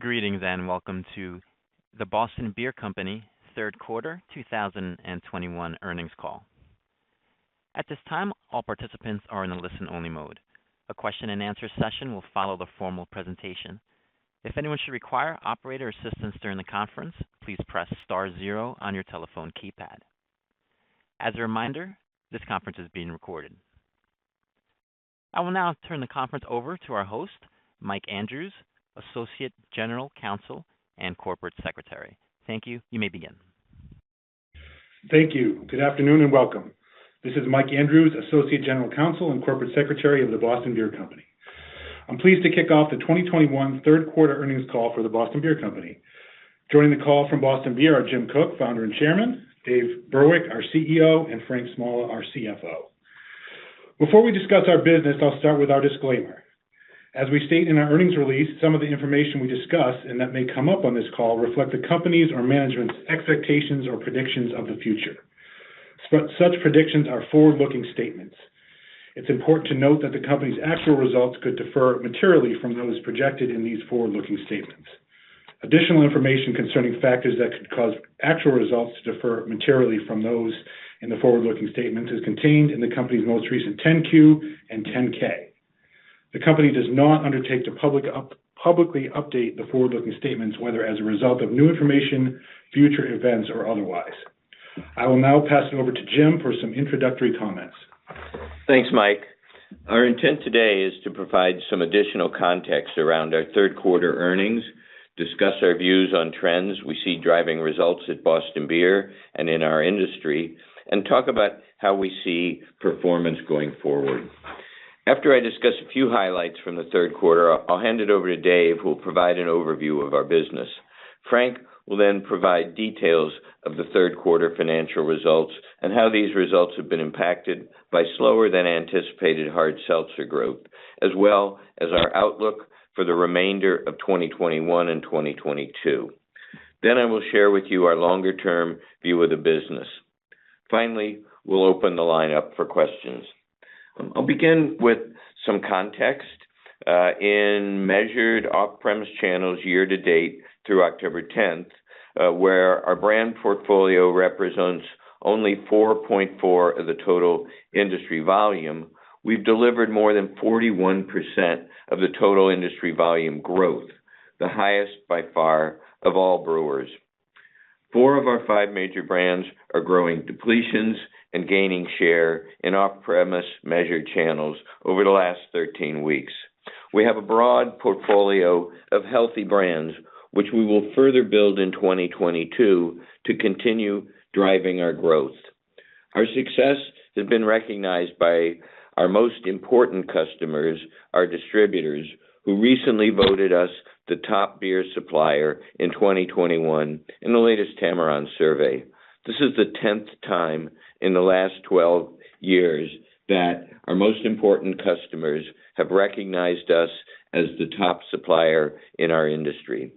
Greetings, welcome to The Boston Beer Company third quarter 2021 earnings call. At this time, all participants are in a listen-only mode. A question and answer session will follow the formal presentation. If anyone should require operator assistance during the conference, please press star zero on your telephone keypad. As a reminder, this conference is being recorded. I will now turn the conference over to our host, Mike Andrews, Associate General Counsel and Corporate Secretary. Thank you. You may begin. Thank you. Good afternoon, and welcome. This is Mike Andrews, Associate General Counsel and Corporate Secretary of The Boston Beer Company. I'm pleased to kick off the 2021 third quarter earnings call for The Boston Beer Company. Joining the call from Boston Beer are Jim Koch, Founder and Chairman, Dave Burwick, our CEO, and Frank Smalla, our CFO. Before we discuss our business, I'll start with our disclaimer. As we state in our earnings release, some of the information we discuss and that may come up on this call reflect the company's or management's expectations or predictions of the future. Such predictions are forward-looking statements. It's important to note that the company's actual results could differ materially from those projected in these forward-looking statements. Additional information concerning factors that could cause actual results to differ materially from those in the forward-looking statements is contained in the company's most recent 10-Q and 10-K. The company does not undertake to publicly update the forward-looking statements, whether as a result of new information, future events, or otherwise. I will now pass it over to Jim for some introductory comments. Thanks, Mike. Our intent today is to provide some additional context around our third quarter earnings, discuss our views on trends we see driving results at Boston Beer and in our industry, and talk about how we see performance going forward. After I discuss a few highlights from the third quarter, I'll hand it over to Dave, who will provide an overview of our business. Frank will then provide details of the third quarter financial results and how these results have been impacted by slower than anticipated hard seltzer growth, as well as our outlook for the remainder of 2021 and 2022. I will share with you our longer-term view of the business. Finally, we'll open the line up for questions. I'll begin with some context. In measured off-premise channels year to date through October 10th, where our brand portfolio represents only 4.4% of the total industry volume, we've delivered more than 41% of the total industry volume growth, the highest by far of all brewers. Four of our five major brands are growing depletions and gaining share in off-premise measured channels over the last 13 weeks. We have a broad portfolio of healthy brands, which we will further build in 2022 to continue driving our growth. Our success has been recognized by our most important customers, our distributors, who recently voted us the top beer supplier in 2021 in the latest Tamarron Survey. This is the 10th time in the last 12 years that our most important customers have recognized us as the top supplier in our industry.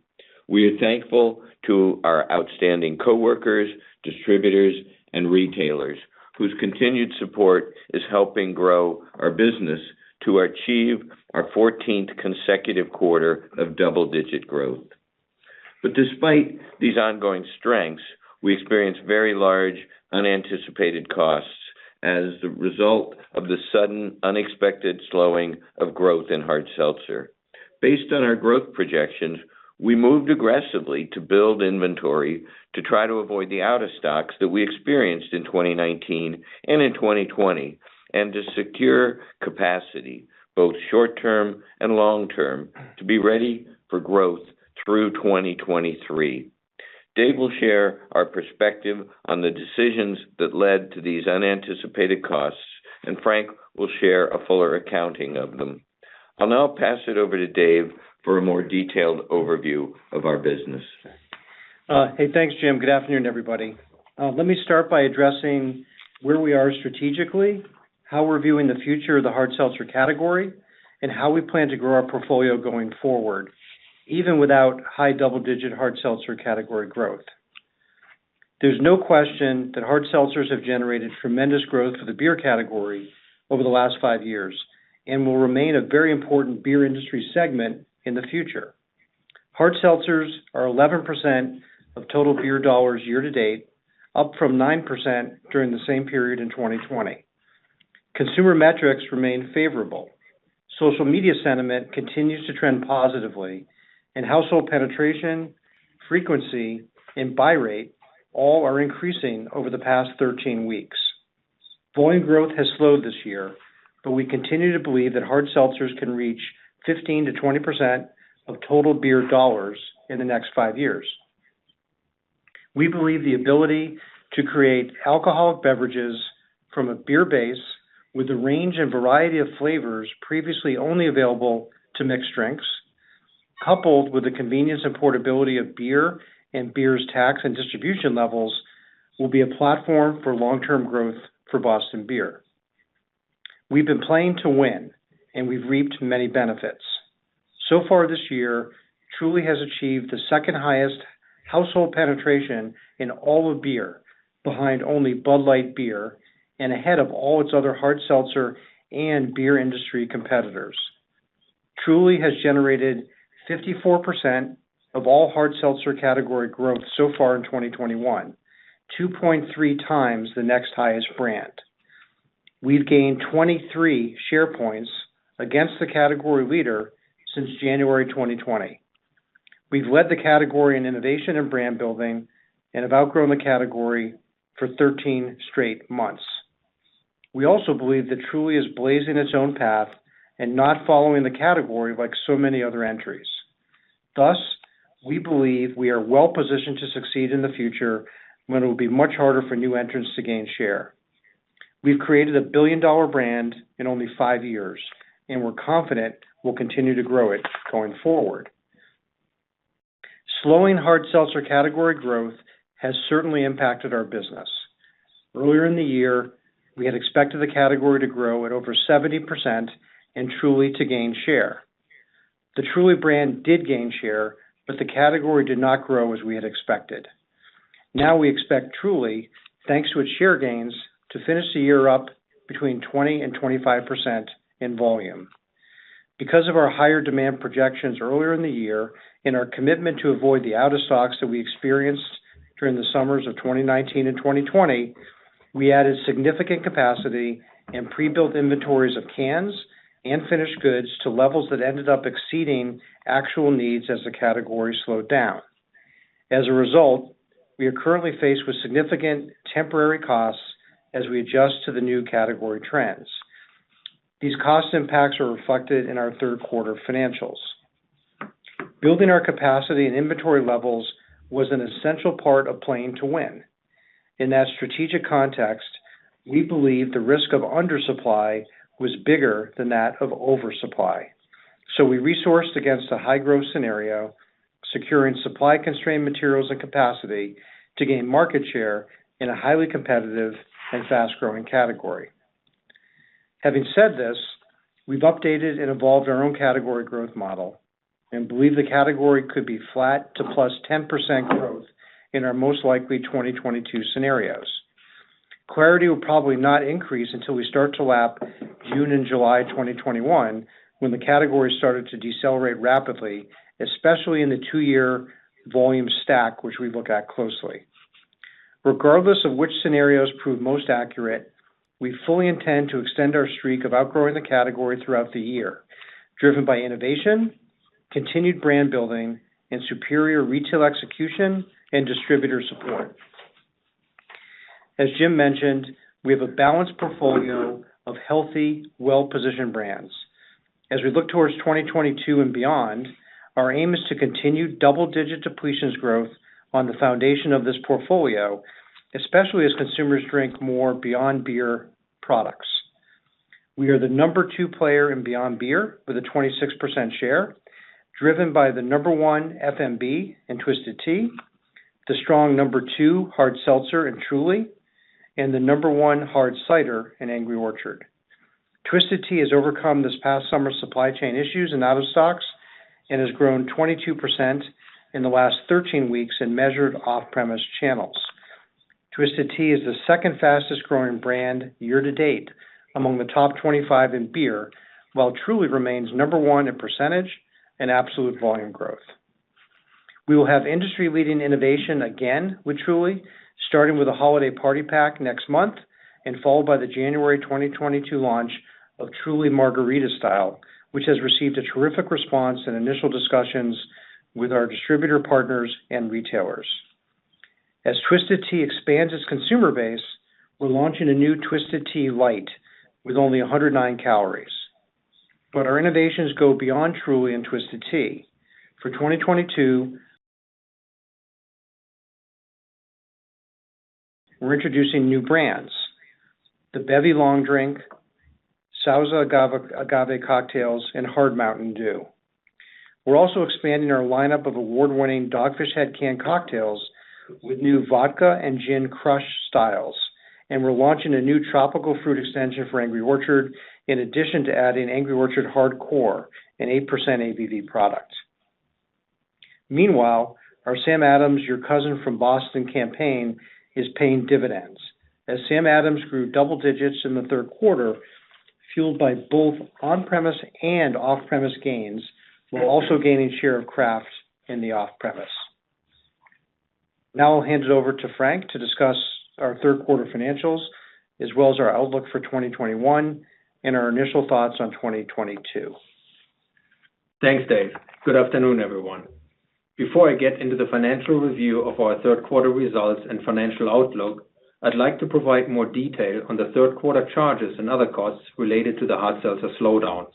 We are thankful to our outstanding coworkers, distributors, and retailers, whose continued support is helping grow our business to achieve our 14th consecutive quarter of double-digit growth. Despite these ongoing strengths, we experienced very large unanticipated costs as the result of the sudden unexpected slowing of growth in hard seltzer. Based on our growth projections, we moved aggressively to build inventory to try to avoid the out-of-stocks that we experienced in 2019 and in 2020. And to secure capacity, both short-term and long-term, to be ready for growth through 2023. Dave will share our perspective on the decisions that led to these unanticipated costs, and Frank will share a fuller accounting of them. I'll now pass it over to Dave for a more detailed overview of our business. Hey, thanks, Jim. Good afternoon, everybody. Let me start by addressing where we are strategically, how we're viewing the future of the hard seltzer category, and how we plan to grow our portfolio going forward, even without high double-digit hard seltzer category growth. There's no question that hard seltzers have generated tremendous growth for the beer category over the last five years and will remain a very important beer industry segment in the future. Hard seltzers are 11% of total beer dollars year-to-date, up from 9% during the same period in 2020. Consumer metrics remain favorable. Social media sentiment continues to trend positively, and household penetration, frequency, and buy rate all are increasing over the past 13 weeks. Volume growth has slowed this year, but we continue to believe that hard seltzers can reach 15%-20% of total beer dollars in the next five years. We believe the ability to create alcoholic beverages from a beer base with a range and variety of flavors previously only available to mixed drinks, coupled with the convenience and portability of beer and beer's tax and distribution levels, will be a platform for long-term growth for Boston Beer. We've been playing to win, and we've reaped many benefits. So far this year, Truly has achieved the second highest household penetration in all of beer, behind only Bud Light beer and ahead of all its other hard seltzer and beer industry competitors. Truly has generated 54% of all hard seltzer category growth so far in 2021, 2.3x the next highest brand. We've gained 23 share points against the category leader since January 2020. We've led the category in innovation and brand building and have outgrown the category for 13 straight months. We also believe that Truly is blazing its own path and not following the category like so many other entries. Thus, we believe we are well-positioned to succeed in the future, when it will be much harder for new entrants to gain share. We've created a billion-dollar brand in only five years, and we're confident we'll continue to grow it going forward. Slowing hard seltzer category growth has certainly impacted our business. Earlier in the year, we had expected the category to grow at over 70%, and Truly to gain share. The Truly brand did gain share, but the category did not grow as we had expected. Now we expect Truly, thanks to its share gains, to finish the year up between 20% and 25% in volume. Because of our higher demand projections earlier in the year and our commitment to avoid the out-of-stocks that we experienced during the summers of 2019 and 2020. We added significant capacity and pre-built inventories of cans and finished goods to levels that ended up exceeding actual needs as the category slowed down. As a result, we are currently faced with significant temporary costs as we adjust to the new category trends. These cost impacts are reflected in our third quarter financials. Building our capacity and inventory levels was an essential part of playing to win. In that strategic context, we believe the risk of undersupply was bigger than that of oversupply. We resourced against a high growth scenario, securing supply-constrained materials and capacity to gain market share in a highly competitive and fast-growing category. Having said this, we've updated and evolved our own category growth model and believe the category could be flat to +10% growth in our most likely 2022 scenarios. Clarity will probably not increase until we start to lap June and July 2021, when the category started to decelerate rapidly, especially in the two-year volume stack, which we look at closely. Regardless of which scenarios prove most accurate, we fully intend to extend our streak of outgrowing the category throughout the year, driven by innovation, continued brand building, and superior retail execution and distributor support. As Jim mentioned, we have a balanced portfolio of healthy, well-positioned brands. As we look towards 2022 and beyond, our aim is to continue double-digit depletions growth on the foundation of this portfolio, especially as consumers drink more Beyond Beer products. We are the number two player in Beyond Beer with a 26% share, driven by the number one FMB in Twisted Tea, the strong number two hard seltzer in Truly, and the number one hard cider in Angry Orchard. Twisted Tea has overcome this past summer's supply chain issues and out-of-stocks, and has grown 22% in the last 13 weeks in measured off-premise channels. Twisted Tea is the second fastest growing brand year to date among the top 25 in beer, while Truly remains number one in percentage and absolute volume growth. We will have industry-leading innovation again with Truly, starting with a holiday party pack next month and followed by the January 2022 launch of Truly Margarita Style, which has received a terrific response in initial discussions with our distributor partners and retailers. As Twisted Tea expands its consumer base, we're launching a new Twisted Tea Light with only 109 calories. Our innovations go beyond Truly and Twisted Tea. For 2022, we're introducing new brands, the Bevy Long Drink, Sauza Agave Cocktails, and Hard Mountain Dew. We're also expanding our lineup of award-winning Dogfish Head canned cocktails with new vodka and gin crush styles, and we're launching a new tropical fruit extension for Angry Orchard, in addition to adding Angry Orchard Hardcore, an 8% ABV product. Meanwhile, our Sam Adams Your Cousin from Boston campaign is paying dividends, as Sam Adams grew double digits in the third quarter, fueled by both on-premise and off-premise gains, while also gaining share of craft in the off-premise. I'll hand it over to Frank to discuss our third quarter financials, as well as our outlook for 2021 and our initial thoughts on 2022. Thanks, Dave. Good afternoon, everyone. Before I get into the financial review of our third quarter results and financial outlook. I'd like to provide more detail on the third quarter charges and other costs related to the hard seltzer slowdown.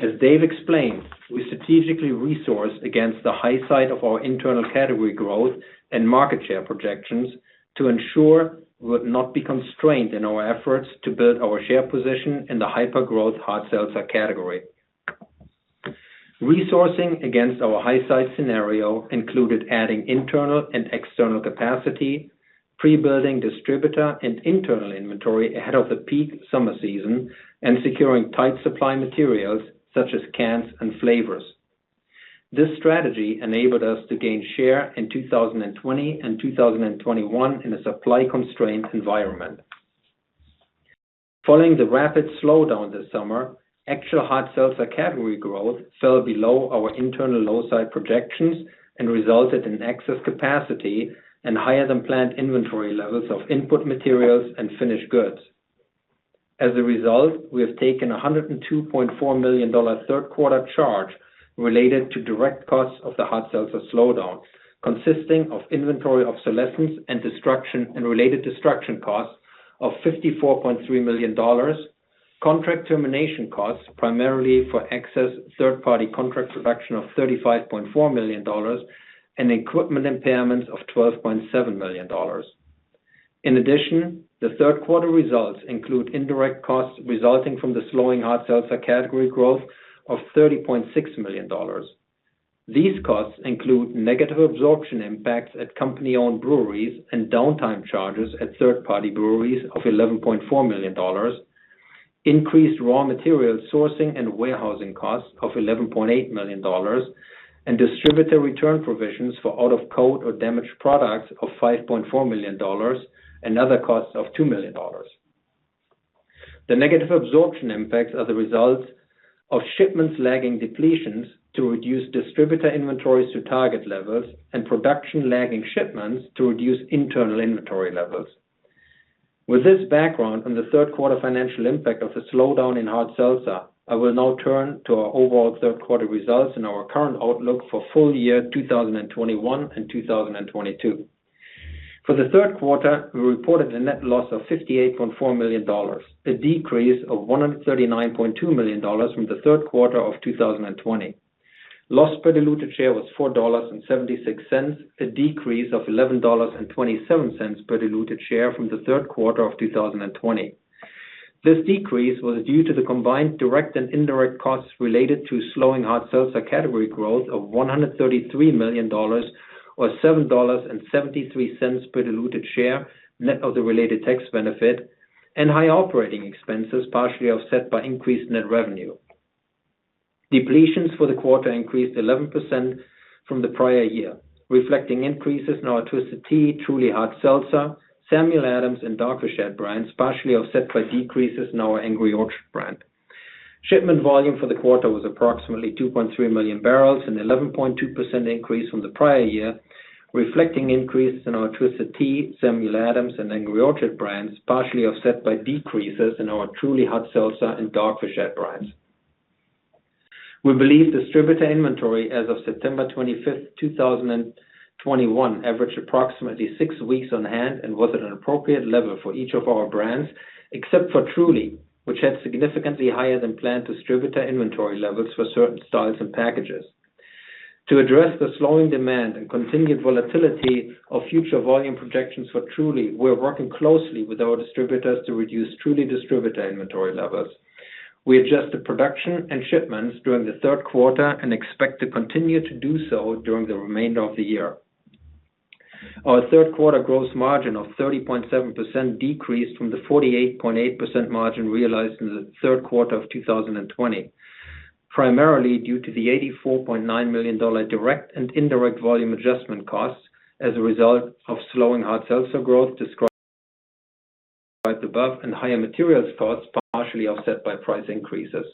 As Dave explained, we strategically resourced against the high side of our internal category growth and market share projections to ensure we would not be constrained in our efforts to build our share position in the hyper-growth hard seltzer category. Resourcing against our high side scenario included adding internal and external capacity, pre-building distributor and internal inventory ahead of the peak summer season and securing tight supply materials such as cans and flavors. This strategy enabled us to gain share in 2020 and 2021 in a supply-constrained environment. Following the rapid slowdown this summer, actual hard seltzer category growth fell below our internal low side projections and resulted in excess capacity and higher than planned inventory levels of input materials and finished goods. As a result, we have taken a $102.4 million third quarter charge related to direct costs of the hard seltzer slowdown, consisting of inventory obsolescence and related destruction costs of $54.3 million, contract termination costs primarily for excess third-party contract production of $35.4 million, and equipment impairments of $12.7 million. In addition, the third quarter results include indirect costs resulting from the slowing hard seltzer category growth of $30.6 million. These costs include negative absorption impacts at company-owned breweries and downtime charges at third-party breweries of $11.4 million. Increased raw material sourcing and warehousing costs of $11.8 million. And distributor return provisions for out-of-code or damaged products of $5.4 million and other costs of $2 million. The negative absorption impacts are the result of shipments lagging depletions to reduce distributor inventories to target levels and production lagging shipments to reduce internal inventory levels. With this background on the third quarter financial impact of the slowdown in hard seltzer. I will now turn to our overall third quarter results and our current outlook for full year 2021 and 2022. For the third quarter, we reported a net loss of $58.4 million, a decrease of $139.2 million from the third quarter of 2020. Loss per diluted share was $4.76, a decrease of $11.27 per diluted share from the third quarter of 2020. This decrease was due to the combined direct and indirect costs related to slowing hard seltzer category growth of $133 million, or $7.73 per diluted share, net of the related tax benefit, and high operating expenses, partially offset by increased net revenue. Depletions for the quarter increased 11% from the prior year, reflecting increases in our Twisted Tea, Truly Hard Seltzer, Sam Adams, and Dogfish Head brands, partially offset by decreases in our Angry Orchard brand. Shipment volume for the quarter was approximately 2.3 million bbl, an 11.2% increase from the prior year, reflecting increases in our Twisted Tea, Sam Adams, and Angry Orchard brands, partially offset by decreases in our Truly Hard Seltzer and Dogfish Head brands. We believe distributor inventory as of September 25th, 2021 averaged approximately six weeks on hand and was at an appropriate level for each of our brands, except for Truly, which had significantly higher than planned distributor inventory levels for certain styles and packages. To address the slowing demand and continued volatility of future volume projections for Truly, we're working closely with our distributors to reduce Truly distributor inventory levels. We adjusted production and shipments during the third quarter and expect to continue to do so during the remainder of the year. Our third quarter gross margin of 30.7% decreased from the 48.8% margin realized in the third quarter of 2020, primarily due to the $84.9 million direct and indirect volume adjustment costs as a result of slowing hard seltzer growth described above and higher materials costs, partially offset by price increases.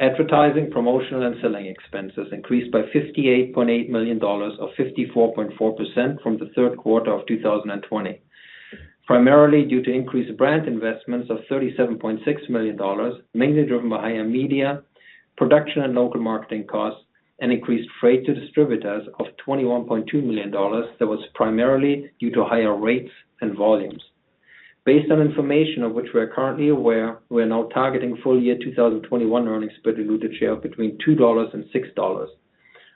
Advertising, promotional, and selling expenses increased by $58.8 million, or 54.4% from the third quarter of 2020, primarily due to increased brand investments of $37.6 million, mainly driven by higher media, production, and local marketing costs, and increased freight to distributors of $21.2 million that was primarily due to higher rates and volumes. Based on information of which we are currently aware, we are now targeting full year 2021 earnings per diluted share between $2 and $6.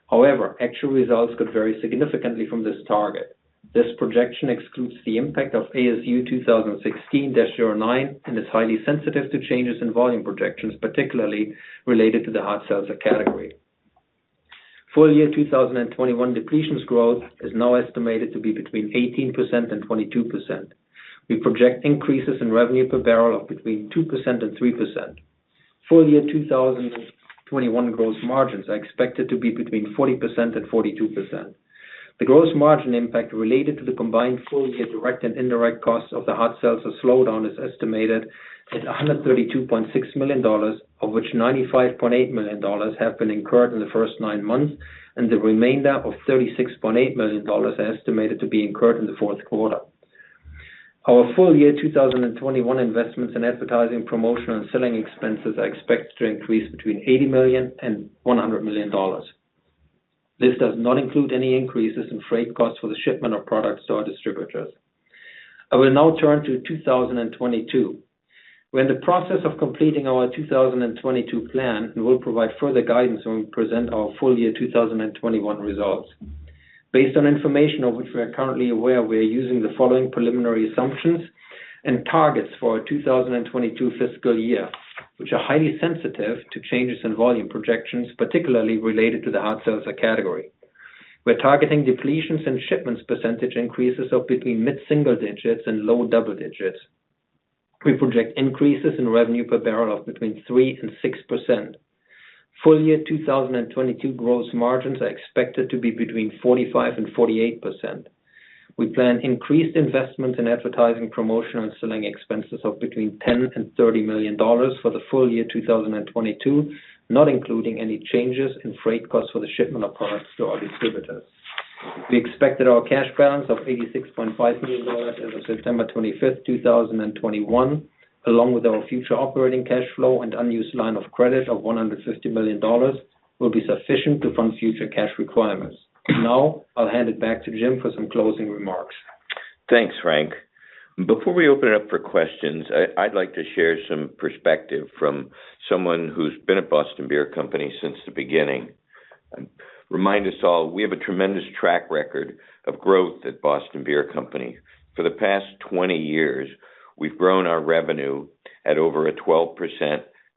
However, actual results could vary significantly from this target. This projection excludes the impact of ASU 2016-09 and is highly sensitive to changes in volume projections, particularly related to the hard seltzer category. Full year 2021 depletions growth is now estimated to be between 18% and 22%. We project increases in revenue per barrel of between 2% and 3%. Full year 2021 gross margins are expected to be between 40% and 42%. The gross margin impact related to the combined full year direct and indirect costs of the hard seltzer slowdown is estimated at $132.6 million, of which $95.8 million have been incurred in the first nine months, and the remainder of $36.8 million are estimated to be incurred in the fourth quarter. Our full year 2021 investments in advertising, promotional, and selling expenses are expected to increase between $80 million and $100 million. This does not include any increases in freight costs for the shipment of products to our distributors. I will now turn to 2022. We're in the process of completing our 2022 plan and will provide further guidance when we present our full year 2021 results. Based on information of which we are currently aware, we are using the following preliminary assumptions and targets for our 2022 fiscal year. Which are highly sensitive to changes in volume projections, particularly related to the hard seltzer category. We're targeting depletions and shipments percentage increases of between mid-single digits and low-double digits. We project increases in revenue per barrel of between 3% and 6%. Full year 2022 gross margins are expected to be between 45% and 48%. We plan increased investment in advertising, promotion and selling expenses of between $10 and $30 million for the full year 2022, not including any changes in freight costs for the shipment of products to our distributors. We expect that our cash balance of $86.5 million as of September 25th, 2021, along with our future operating cash flow and unused line of credit of $150 million, will be sufficient to fund future cash requirements. Now, I'll hand it back to Jim for some closing remarks. Thanks, Frank. Before we open it up for questions, I'd like to share some perspective from someone who's been at Boston Beer Company since the beginning. Remind us all, we have a tremendous track record of growth at Boston Beer Company. For the past 20 years, we've grown our revenue at over a 12%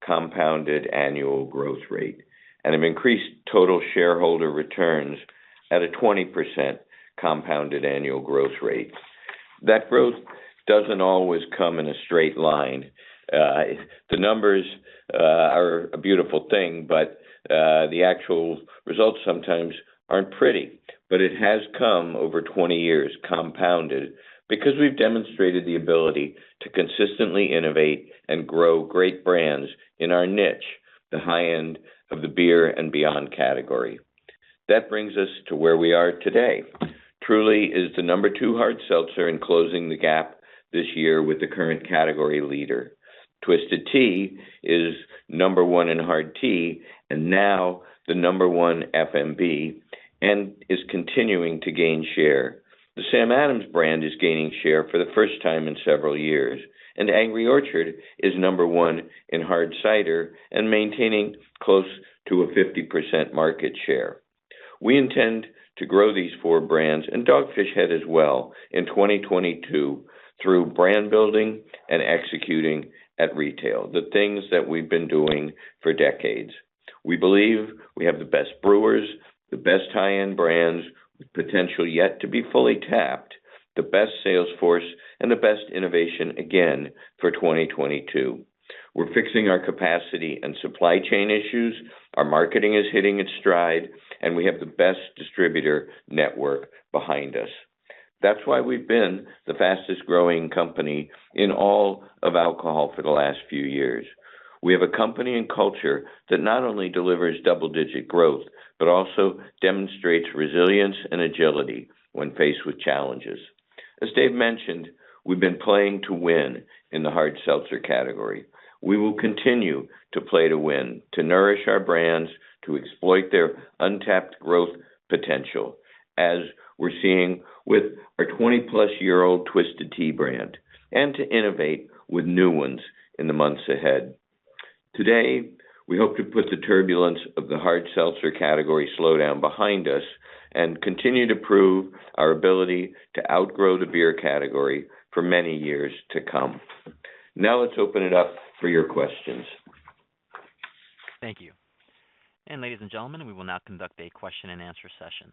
compounded annual growth rate, and have increased total shareholder returns at a 20% compounded annual growth rate. That growth doesn't always come in a straight line. The numbers are a beautiful thing, but the actual results sometimes aren't pretty. It has come over 20 years, compounded, because we've demonstrated the ability to consistently innovate and grow great brands in our niche, the high end of the beer and beyond category. That brings us to where we are today. Truly is the number two hard seltzer and closing the gap this year with the current category leader. Twisted Tea is number one in hard tea, and now the number one FMB, and is continuing to gain share. The Sam Adams brand is gaining share for the first time in several years, and Angry Orchard is number one in hard cider and maintaining close to a 50% market share. We intend to grow these four brands, and Dogfish Head as well, in 2022 through brand building and executing at retail, the things that we've been doing for decades. We believe we have the best brewers, the best high-end brands with potential yet to be fully tapped, the best sales force, and the best innovation, again, for 2022. We're fixing our capacity and supply chain issues. Our marketing is hitting its stride, and we have the best distributor network behind us. That's why we've been the fastest growing company in all of alcohol for the last few years. We have a company and culture that not only delivers double-digit growth, but also demonstrates resilience and agility when faced with challenges. As Dave mentioned, we've been playing to win in the hard seltzer category. We will continue to play to win, to nourish our brands, to exploit their untapped growth potential, as we're seeing with our 20+ year-old Twisted Tea brand, and to innovate with new ones in the months ahead. Today, we hope to put the turbulence of the hard seltzer category slowdown behind us and continue to prove our ability to outgrow the beer category for many years to come. Let's open it up for your questions. Thank you. Ladies and gentlemen, we will now conduct a question and answer session.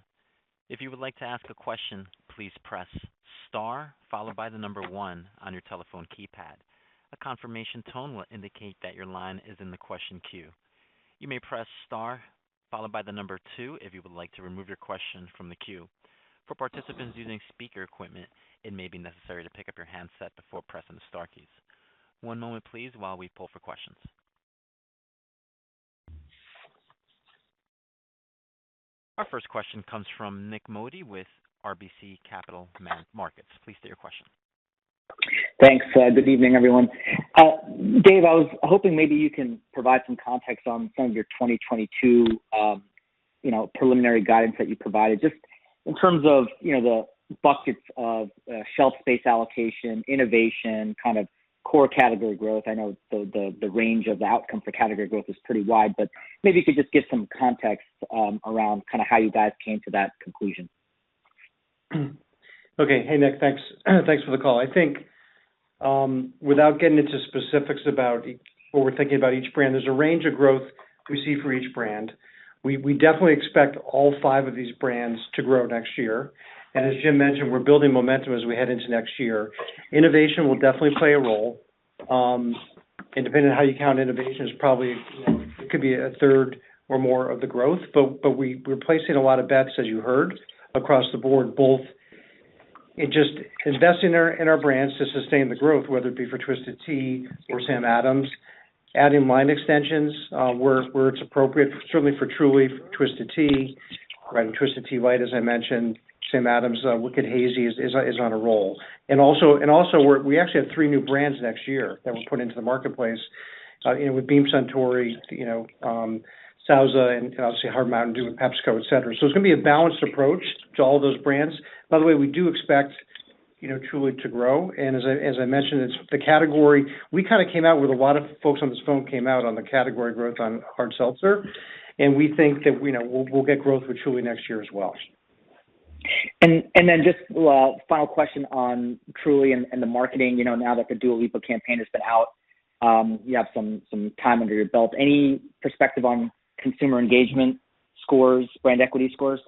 One moment, please, while we pull for questions. Our first question comes from Nik Modi with RBC Capital Markets. Please state your question. Thanks. Good evening, everyone. Dave, I was hoping maybe you can provide some context on some of your 2022 preliminary guidance that you provided. Just in terms of the buckets of shelf space allocation, innovation, kind of core category growth. I know the range of the outcome for category growth is pretty wide. Maybe if you could just give some context around how you guys came to that conclusion? Okay. Hey, Nik. Thanks. Thanks for the call. I think, without getting into specifics about what we're thinking about each brand, there's a range of growth we see for each brand. We definitely expect all five of these brands to grow next year. As Jim mentioned, we're building momentum as we head into next year. Innovation will definitely play a role. Depending on how you count, innovation is probably, it could be 1/3 or more of the growth. We're placing a lot of bets, as you heard, across the board, both in just investing in our brands to sustain the growth, whether it be for Twisted Tea or Sam Adams, adding line extensions where it's appropriate, certainly for Truly, Twisted Tea. Twisted Tea Light, as I mentioned. Sam Adams, Wicked Hazy is on a roll. Also, we actually have three new brands next year that we'll put into the marketplace, with Beam Suntory, Sauza, and obviously Hard Mountain Dew with PepsiCo, et cetera. It's going to be a balanced approach to all those brands. By the way, we do expect Truly to grow. As I mentioned, the category, we kind of came out with a lot of folks on this phone came out on the category growth on hard seltzer, and we think that we'll get growth with Truly next year as well. Just final question on Truly and the marketing? Now that the Dua Lipa campaign has been out, you have some time under your belt. Any perspective on consumer engagement scores, brand equity scores?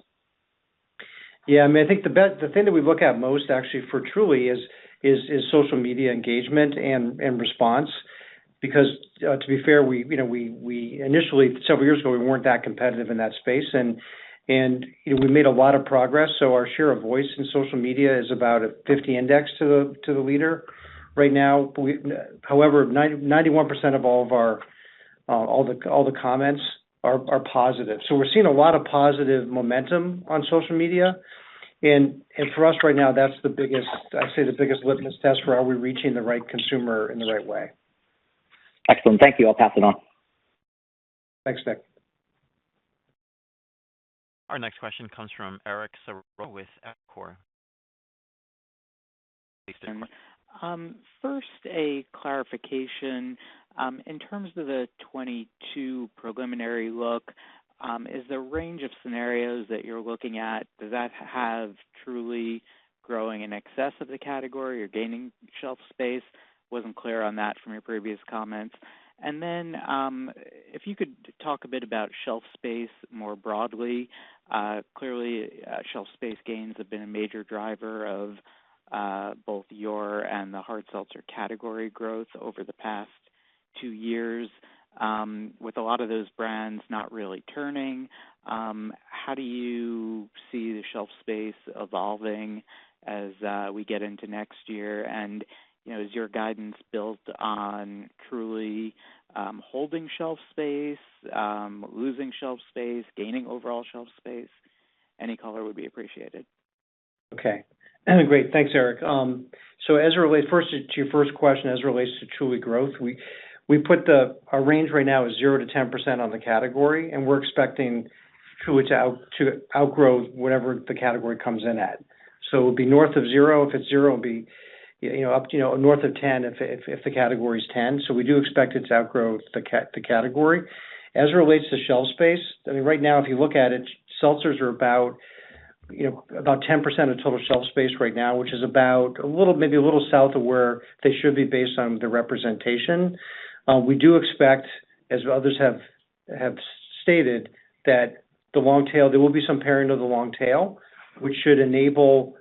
I think the thing that we look at most actually for Truly is social media engagement and response. Because, to be fair, initially, several years ago, we weren't that competitive in that space, and we made a lot of progress. Our share of voice in social media is about a 50 index to the leader right now. However, 91% of all the comments are positive. We're seeing a lot of positive momentum on social media, and for us right now, that's, I'd say, the biggest litmus test for are we reaching the right consumer in the right way. Excellent. Thank you. I'll pass it on. Thanks, Nik. Our next question comes from Eric Serotta with Evercore. First, a clarification. In terms of the 2022 preliminary look, is the range of scenarios that you're looking at, does that have Truly growing in excess of the category or gaining shelf space? Wasn't clear on that from your previous comments. If you could talk a bit about shelf space more broadly. Clearly, shelf space gains have been a major driver of both your and the hard seltzer category growth over the past two years. With a lot of those brands not really turning, how do you see the shelf space evolving as we get into next year? Is your guidance built on Truly holding shelf space, losing shelf space, gaining overall shelf space? Any color would be appreciated. Okay. Great. Thanks, Eric. First, to your first question as it relates to Truly growth, our range right now is 0%-10% on the category, and we're expecting Truly to outgrow whatever the category comes in at. It'll be North of 0% if it's 0%. It'll be up North of 10% if the category is 10%. We do expect it to outgrow the category. As it relates to shelf space, right now, if you look at it, seltzers are about 10% of total shelf space right now, which is about maybe a little south of where they should be based on the representation. We do expect, as others have stated, that there will be some paring of the long tail, which should enable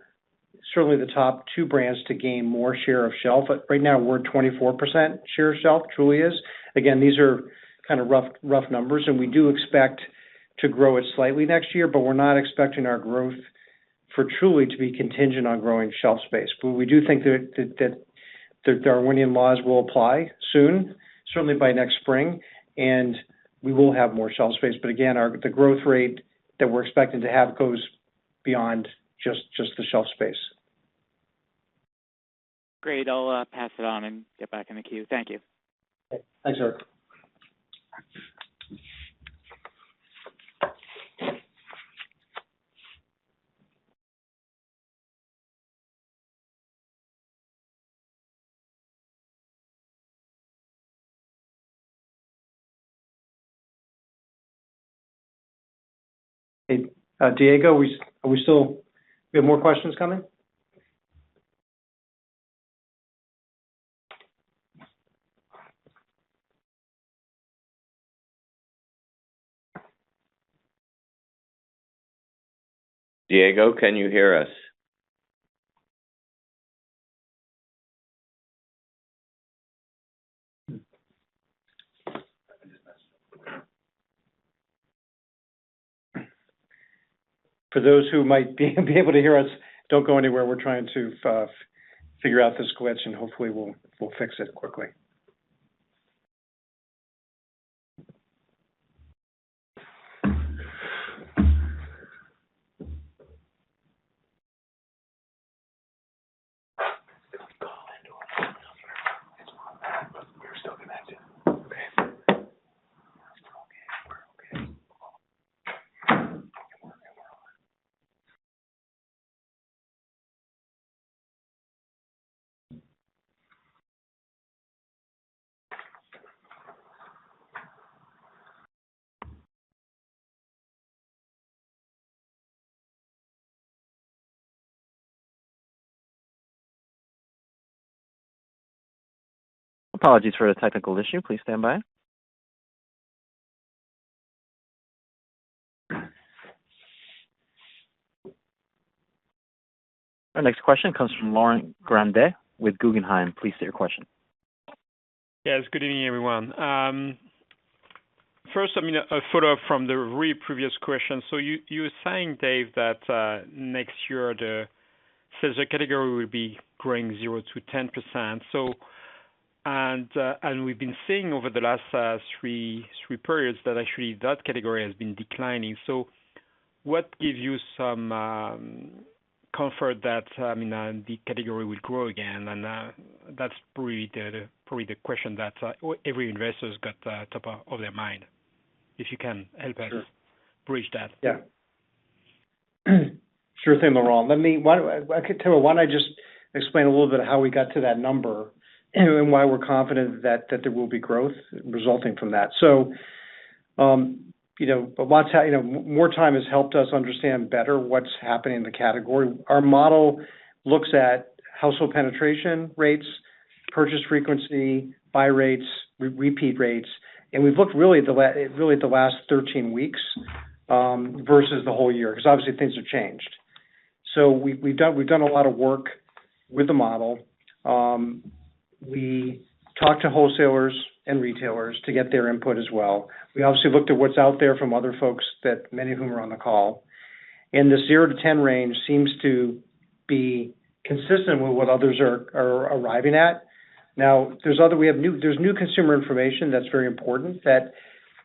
certainly the top two brands to gain more share of shelf. Right now, we're at 24% share of shelf, Truly is. These are kind of rough numbers, we do expect to grow it slightly next year, but we're not expecting our growth for Truly to be contingent on growing shelf space. We do think that Darwinian laws will apply soon, certainly by next spring, and we will have more shelf space. Again, the growth rate that we're expecting to have goes beyond just the shelf space. Great. I'll pass it on and get back in the queue. Thank you. Okay. Thanks, Eric. Diego, do we have more questions coming? Diego, can you hear us? For those who might be able to hear us, don't go anywhere. We're trying to figure out this glitch, and hopefully, we'll fix it quickly. Apologies for the technical issue. Please stand by. Our next question comes from Laurent Grandet with Guggenheim. Please state your question. Yes. Good evening, everyone. First, a follow-up from the very previous question. You were saying, Dave, that next year the seltzer category will be growing 0%-10%. We've been seeing over the last three periods that actually that category has been declining. What gives you some comfort that the category will grow again? That's probably the question that every investor's got at the top of their mind. If you can help us. Sure. Bridge that. Yeah. Sure thing, Laurent. Why don't I just explain a little bit how we got to that number and why we're confident that there will be growth resulting from that. More time has helped us understand better what's happening in the category. Our model looks at household penetration rates, purchase frequency, buy rates, repeat rates, and we've looked really at the last 13 weeks versus the whole year, because obviously things have changed. We've done a lot of work with the model. We talked to wholesalers and retailers to get their input as well. We obviously looked at what's out there from other folks, many of whom are on the call. The 0-10 range seems to be consistent with what others are arriving at. There's new consumer information that's very important that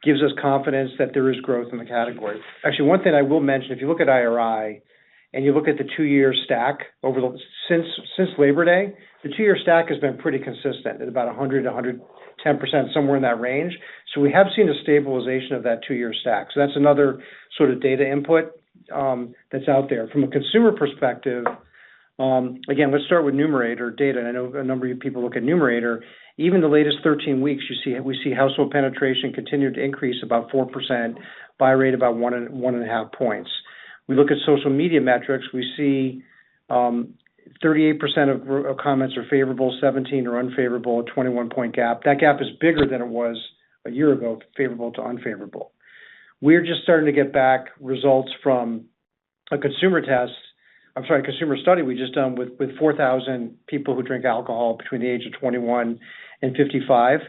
gives us confidence that there is growth in the category. Actually, one thing I will mention, if you look at IRI, and you look at the two-year stack since Labor Day. The two-year stack has been pretty consistent at about 100%-110%, somewhere in that range. We have seen a stabilization of that two-year stack. That's another sort of data input that's out there. From a consumer perspective, again, let's start with Numerator data, and I know a number of you people look at Numerator. Even the latest 13 weeks, we see household penetration continued to increase about 4%, buy rate about 1.5 points. We look at social media metrics, we see 38% of comments are favorable, 17 are unfavorable, a 21-point gap. That gap is bigger than it was a year ago, favorable to unfavorable. We're just starting to get back results from a consumer study we've just done with 4,000 people who drink alcohol between the age of 21 and 55.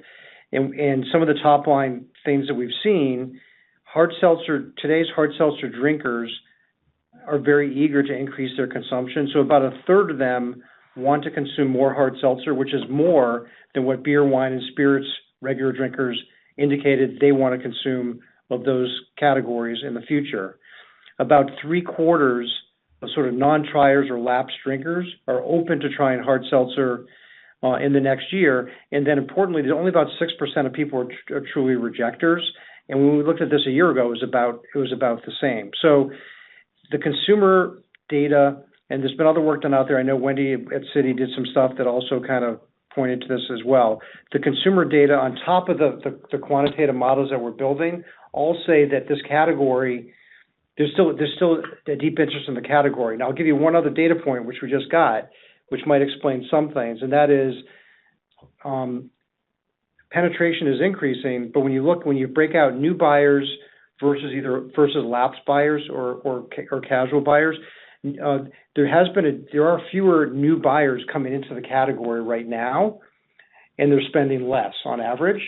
Some of the top-line things that we've seen, today's hard seltzer drinkers are very eager to increase their consumption. About a third of them want to consume more hard seltzer, which is more than what beer, wine, and spirits regular drinkers indicated they want to consume of those categories in the future. About 3/4 of sort of non-triers or lapsed drinkers are open to trying hard seltzer in the next year. Importantly, there's only about 6% of people are truly rejecters. When we looked at this a year ago, it was about the same. The consumer data, and there's been other work done out there. I know Wendy at Citi did some stuff that also kind of pointed to this as well. The consumer data on top of the quantitative models that we're building all say that this category, there's still a deep interest in the category. Now, I'll give you one other data point, which we just got, which might explain some things, and that is penetration is increasing, but when you break out new buyers versus lapsed buyers or casual buyers. There are fewer new buyers coming into the category right now, and they're spending less on average,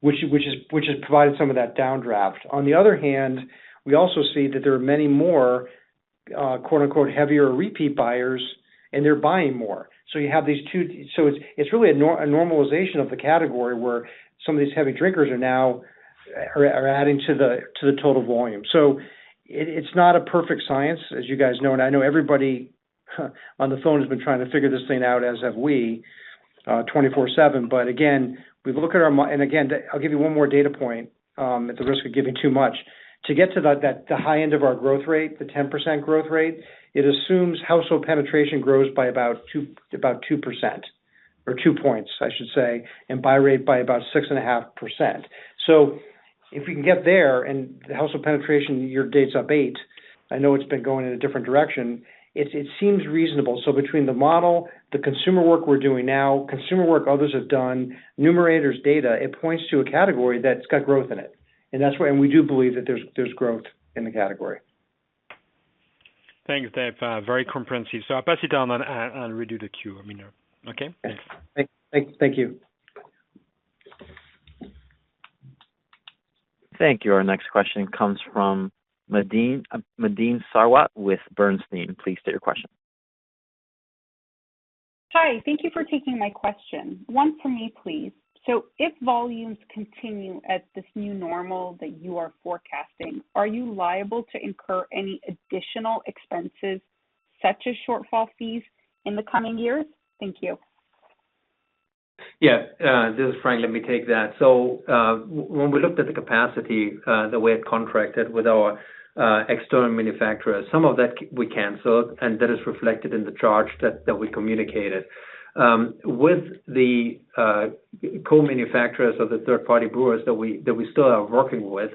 which has provided some of that downdraft. On the other hand, we also see that there are many more, quote-unquote, heavier repeat buyers, and they're buying more. It's really a normalization of the category where some of these heavy drinkers are now adding to the total volume. It's not a perfect science, as you guys know, and I know everybody on the phone has been trying to figure this thing out, as have we, 24/7. Again, I'll give you one more data point, at the risk of giving too much. To get to the high end of our growth rate, the 10% growth rate, it assumes household penetration grows by about 2% or two points, I should say, and buy rate by about 6.5%. If we can get there and the household penetration, your data's up to date. I know it's been going in a different direction. It seems reasonable. Between the model, the consumer work we're doing now, consumer work others have done, Numerator's data, it points to a category that's got growth in it. We do believe that there's growth in the category. Thanks, Dave. Very comprehensive. I'll pass it down and redo the queue. Okay? Thank you. Thank you. Our next question comes from Nadine Sarwat with Bernstein. Please state your question. Hi. Thank you for taking my question. One for me, please. If volumes continue at this new normal that you are forecasting, are you liable to incur any additional expenses such as shortfall fees in the coming years? Thank you. This is Frank. Let me take that. When we looked at the capacity that we had contracted with our external manufacturers, some of that we canceled, and that is reflected in the charge that we communicated. With the co-manufacturers or the third-party brewers that we still are working with,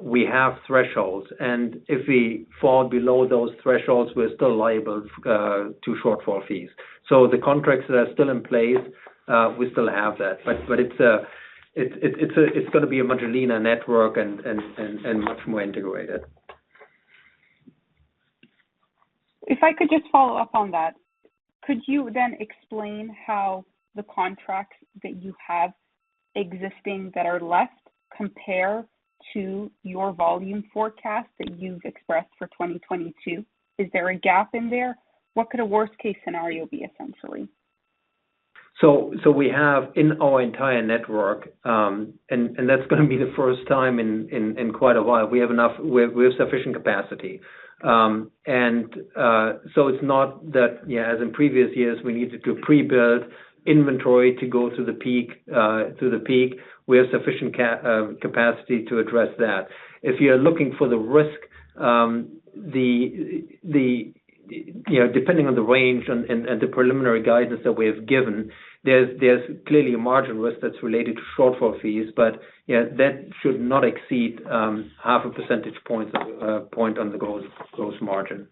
we have thresholds. If we fall below those thresholds, we're still liable to shortfall fees. The contracts that are still in place, we still have that. It's going to be a much leaner network and much more integrated. If I could just follow up on that, could you then explain how the contracts that you have existing that are left compare to your volume forecast that you've expressed for 2022? Is there a gap in there? What could a worst-case scenario be, essentially? We have in our entire network, and that's going to be the first time in quite a while, we have sufficient capacity. It's not that, as in previous years, we needed to pre-build inventory to go through the peak. We have sufficient capacity to address that. If you're looking for the risk, depending on the range and the preliminary guidance that we have given, there's clearly a margin risk that's related to shortfall fees. That should not exceed half a percentage point on the gross margin.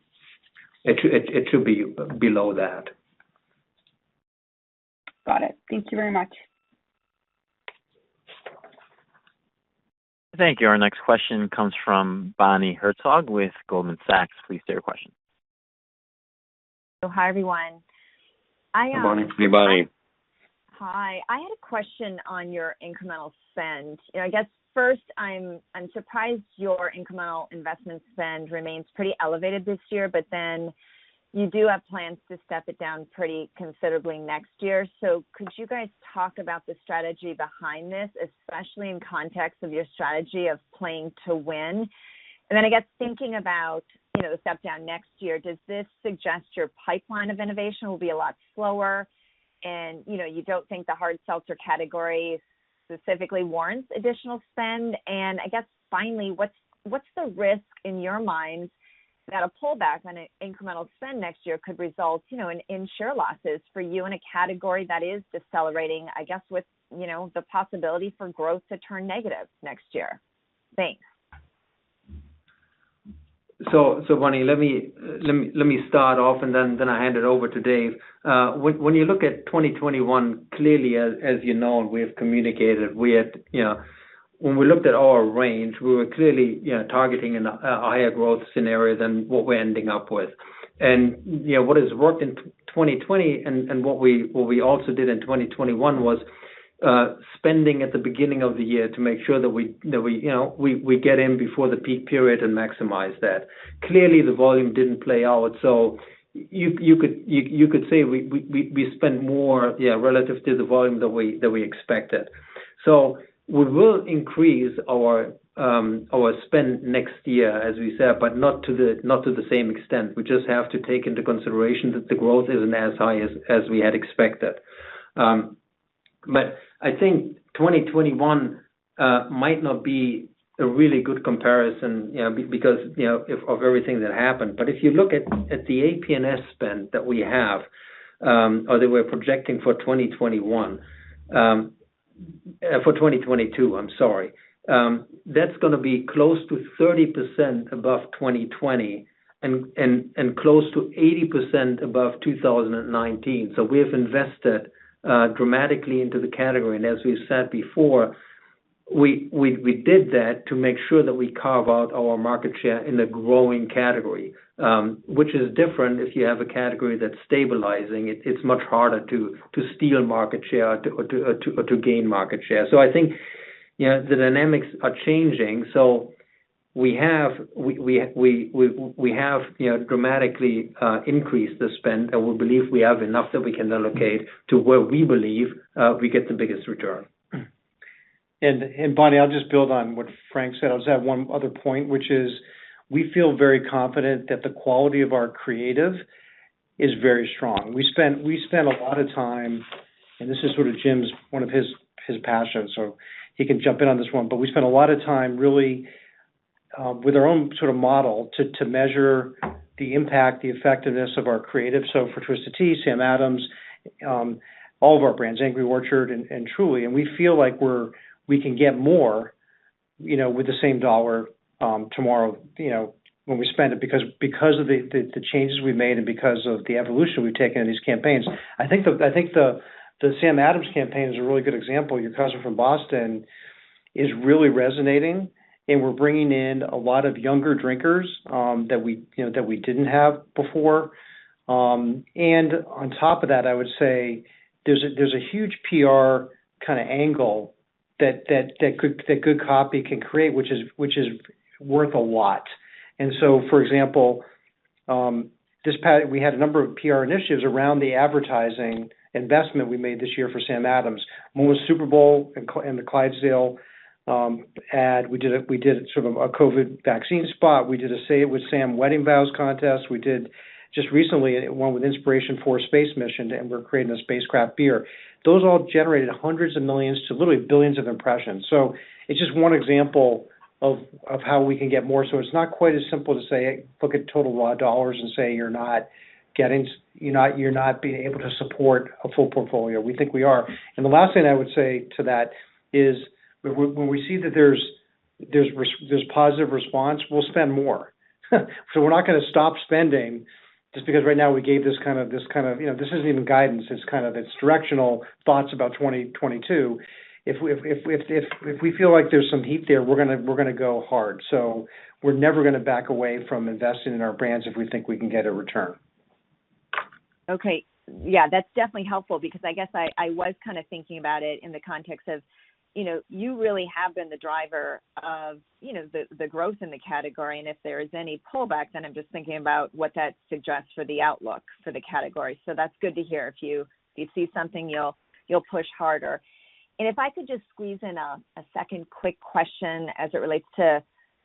It should be below that. Got it. Thank you very much. Thank you. Our next question comes from Bonnie Herzog with Goldman Sachs. Please state your question. Hi, everyone. Good morning. Hey, Bonnie. Hi. I had a question on your incremental spend. I'm surprised your incremental investment spend remains pretty elevated this year. You do have plans to step it down pretty considerably next year. Could you guys talk about the strategy behind this, especially in context of your strategy of playing to win? Thinking about the step down next year, does this suggest your pipeline of innovation will be a lot slower, and you don't think the hard seltzer category specifically warrants additional spend? Finally, what's the risk in your mind that a pullback on incremental spend next year could result in share losses for you in a category that is decelerating, with the possibility for growth to turn negative next year? Thanks. Bonnie, let me start off and then I hand it over to Dave. When you look at 2021, clearly, as you know, and we have communicated, when we looked at our range, we were clearly targeting a higher growth scenario than what we're ending up with. What has worked in 2020 and what we also did in 2021 was spending at the beginning of the year to make sure that we get in before the peak period and maximize that. Clearly, the volume didn't play out, so you could say we spent more, yeah, relative to the volume that we expected. We will increase our spend next year, as we said, but not to the same extent. We just have to take into consideration that the growth isn't as high as we had expected. I think 2021 might not be a really good comparison because of everything that happened. If you look at the A&P spend that we have, or that we're projecting for 2022, I'm sorry. That's going to be close to 30% above 2020 and close to 80% above 2019. We have invested dramatically into the category, and as we've said before, we did that to make sure that we carve out our market share in the growing category, which is different if you have a category that's stabilizing. It's much harder to steal market share or to gain market share. I think the dynamics are changing, so we have dramatically increased the spend, and we believe we have enough that we can allocate to where we believe we get the biggest return. Bonnie, I'll just build on what Frank said. I'll just add one other point, which is we feel very confident that the quality of our creative is very strong. We spent a lot of time, and this is sort of Jim's, one of his passions, so he can jump in on this one, but we spent a lot of time really with our own sort of model to measure the impact, the effectiveness of our creative. For Twisted Tea, Sam Adams, all of our brands, Angry Orchard and Truly, and we feel like we can get more with the same dollar tomorrow when we spend it because of the changes we've made and because of the evolution we've taken in these campaigns. I think the Sam Adams campaign is a really good example. Your Cousin from Boston is really resonating, and we're bringing in a lot of younger drinkers that we didn't have before. On top of that, I would say there's a huge PR kind of angle that good copy can create, which is worth a lot. For example, we had a number of PR initiatives around the advertising investment we made this year for Sam Adams. One was Super Bowl and the Clydesdale ad. We did sort of a COVID vaccine spot. We did a Say It With Sam wedding vows contest. We did just recently one with Inspiration4 space mission, and we're creating a spacecraft beer. Those all generated hundreds of millions to literally billions of impressions. It's just one example of how we can get more. It's not quite as simple to say, look at total dollars and say you're not being able to support a full portfolio. We think we are. The last thing I would say to that is when we see that there's positive response, we'll spend more. We're not going to stop spending just because right now we gave this kind of This isn't even guidance. It's directional thoughts about 2022. If we feel like there's some heat there, we're going to go hard. We're never going to back away from investing in our brands if we think we can get a return. Okay. Yeah, that's definitely helpful because I guess I was kind of thinking about it in the context of you really have been the driver of the growth in the category. And if there is any pullback, then I'm just thinking about what that suggests for the outlook for the category. That's good to hear. If you see something, you'll push harder. If I could just squeeze in a second quick question as it relates to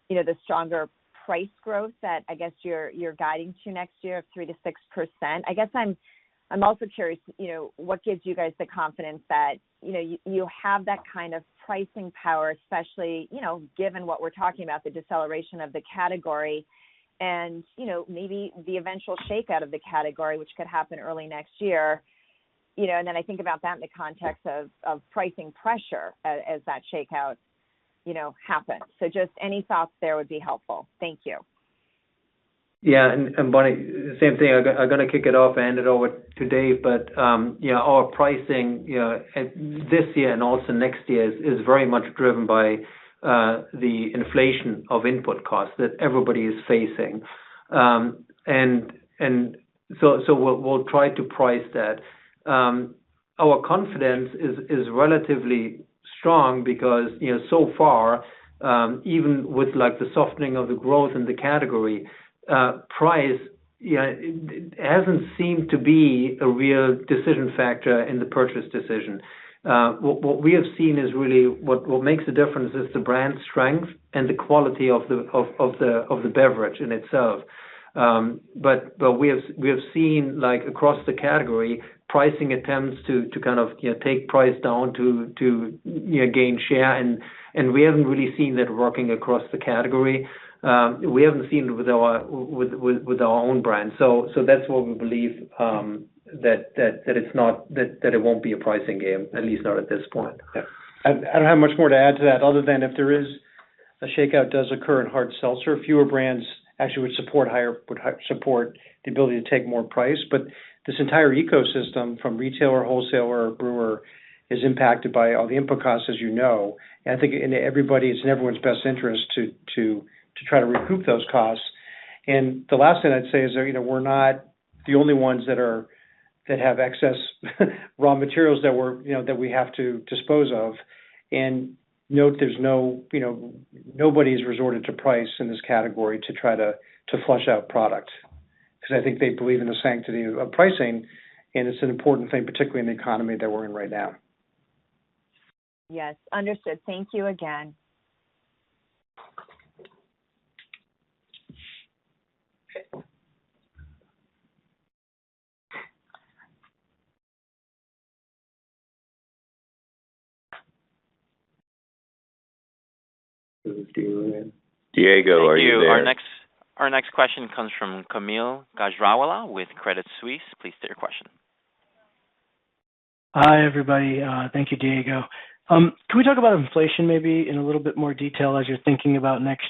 the stronger price growth that I guess you're guiding to next year of 3%-6%. I guess I'm also curious, what gives you guys the confidence that you have that kind of pricing power, especially given what we're talking about, the deceleration of the category? And maybe the eventual shakeout of the category, which could happen early next year. I think about that in the context of pricing pressure as that shakeout happen. Just any thoughts there would be helpful. Thank you. Yeah. Bonnie, same thing. I'm going to kick it off. I handed over to Dave, our pricing this year and also next year is very much driven by the inflation of input costs that everybody is facing. We'll try to price that. Our confidence is relatively strong because so far, even with the softening of the growth in the category, price hasn't seemed to be a real decision factor in the purchase decision. What we have seen is really what makes the difference is the brand strength and the quality of the beverage in itself. We have seen across the category, pricing attempts to kind of take price down to gain share, and we haven't really seen that working across the category. We haven't seen it with our own brand. That's what we believe, that it won't be a pricing game, at least not at this point. Yeah. I don't have much more to add to that other than if there is a shakeout does occur in hard seltzer, fewer brands actually would support the ability to take more price. This entire ecosystem from retailer, wholesaler, brewer, is impacted by all the input costs, as you know. I think it's in everyone's best interest to try to recoup those costs. The last thing I'd say is we're not the only ones that have excess raw materials that we have to dispose of. Note, nobody's resorted to price in this category to try to flush out product. I think they believe in the sanctity of pricing, and it's an important thing, particularly in the economy that we're in right now. Yes. Understood. Thank you again. Diego, are you there? Thank you. Our next question comes from Kaumil Gajrawala with Credit Suisse. Please state your question. Hi, everybody. Thank you, Diego. Can we talk about inflation maybe in a little bit more detail as you're thinking about next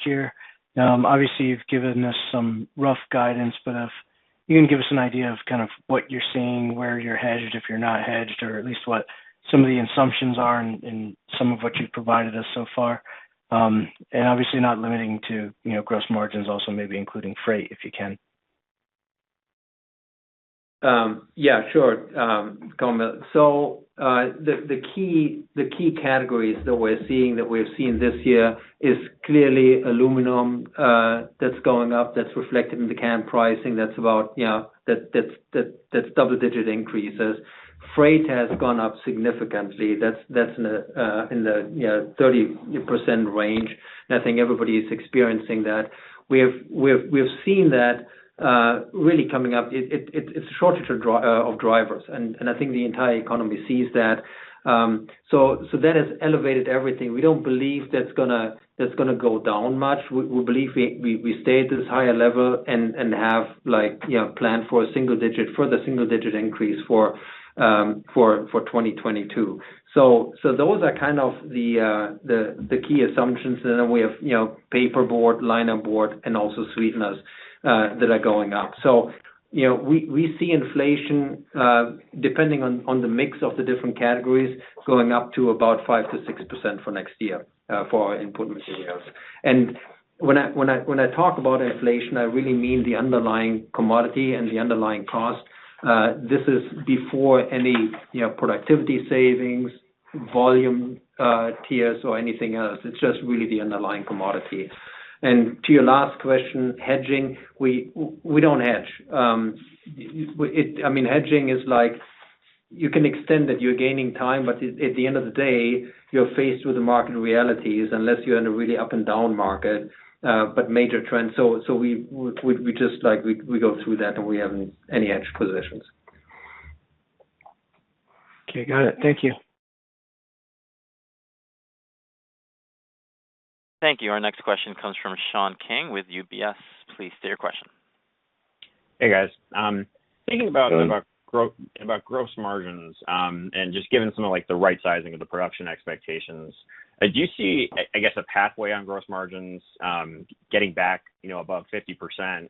year? Obviously, you've given us some rough guidance, but if you can give us an idea of kind of what you're seeing, where you're hedged, if you're not hedged? Or at least what some of the assumptions are in some of what you've provided us so far. Obviously not limiting to gross margins, also maybe including freight, if you can? Sure, Kaumil. The key categories that we're seeing, that we've seen this year is clearly aluminum that's going up, that's reflected in the can pricing that's double-digit increases. Freight has gone up significantly. That's in the 30% range, I think everybody is experiencing that. We've seen that really coming up. It's a shortage of drivers, I think the entire economy sees that. That has elevated everything. We don't believe that's going to go down much. We believe we stay at this higher level and plan for a single digit, further single digit increase for 2022. Those are kind of the key assumptions. We have paperboard, linerboard, and also sweeteners that are going up. We see inflation, depending on the mix of the different categories, going up to about 5%-6% for next year, for our input materials. When I talk about inflation, I really mean the underlying commodity and the underlying cost. This is before any productivity savings, volume tiers, or anything else. It's just really the underlying commodity. To your last question, hedging. We don't hedge. Hedging is like, you can extend that you're gaining time, but at the end of the day, you're faced with the market realities, unless you're in a really up and down market, but major trends. We go through that, and we haven't any hedge positions. Okay, got it. Thank you. Thank you. Our next question comes from Sean King with UBS. Please state your question. Hey, guys. Hi. Thinking about gross margins, and just given some of the right sizing of the production expectations, do you see, I guess, a pathway on gross margins getting back above 50%,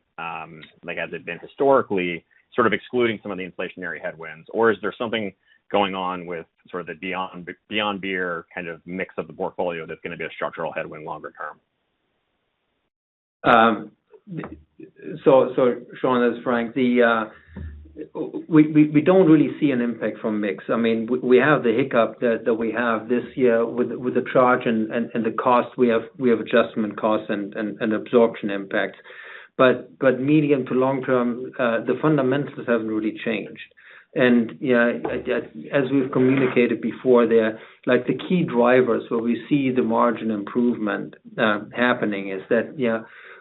like as it's been historically, sort of excluding some of the inflationary headwinds? Is there something going on with sort of the Beyond Beer kind of mix of the portfolio that's going to be a structural headwind longer term? Sean, this is Frank. We don't really see an impact from mix. We have the hiccup that we have this year with the charge and the cost. We have adjustment costs and absorption impact. Medium to long term, the fundamentals haven't really changed. As we've communicated before, the key drivers where we see the margin improvement happening is that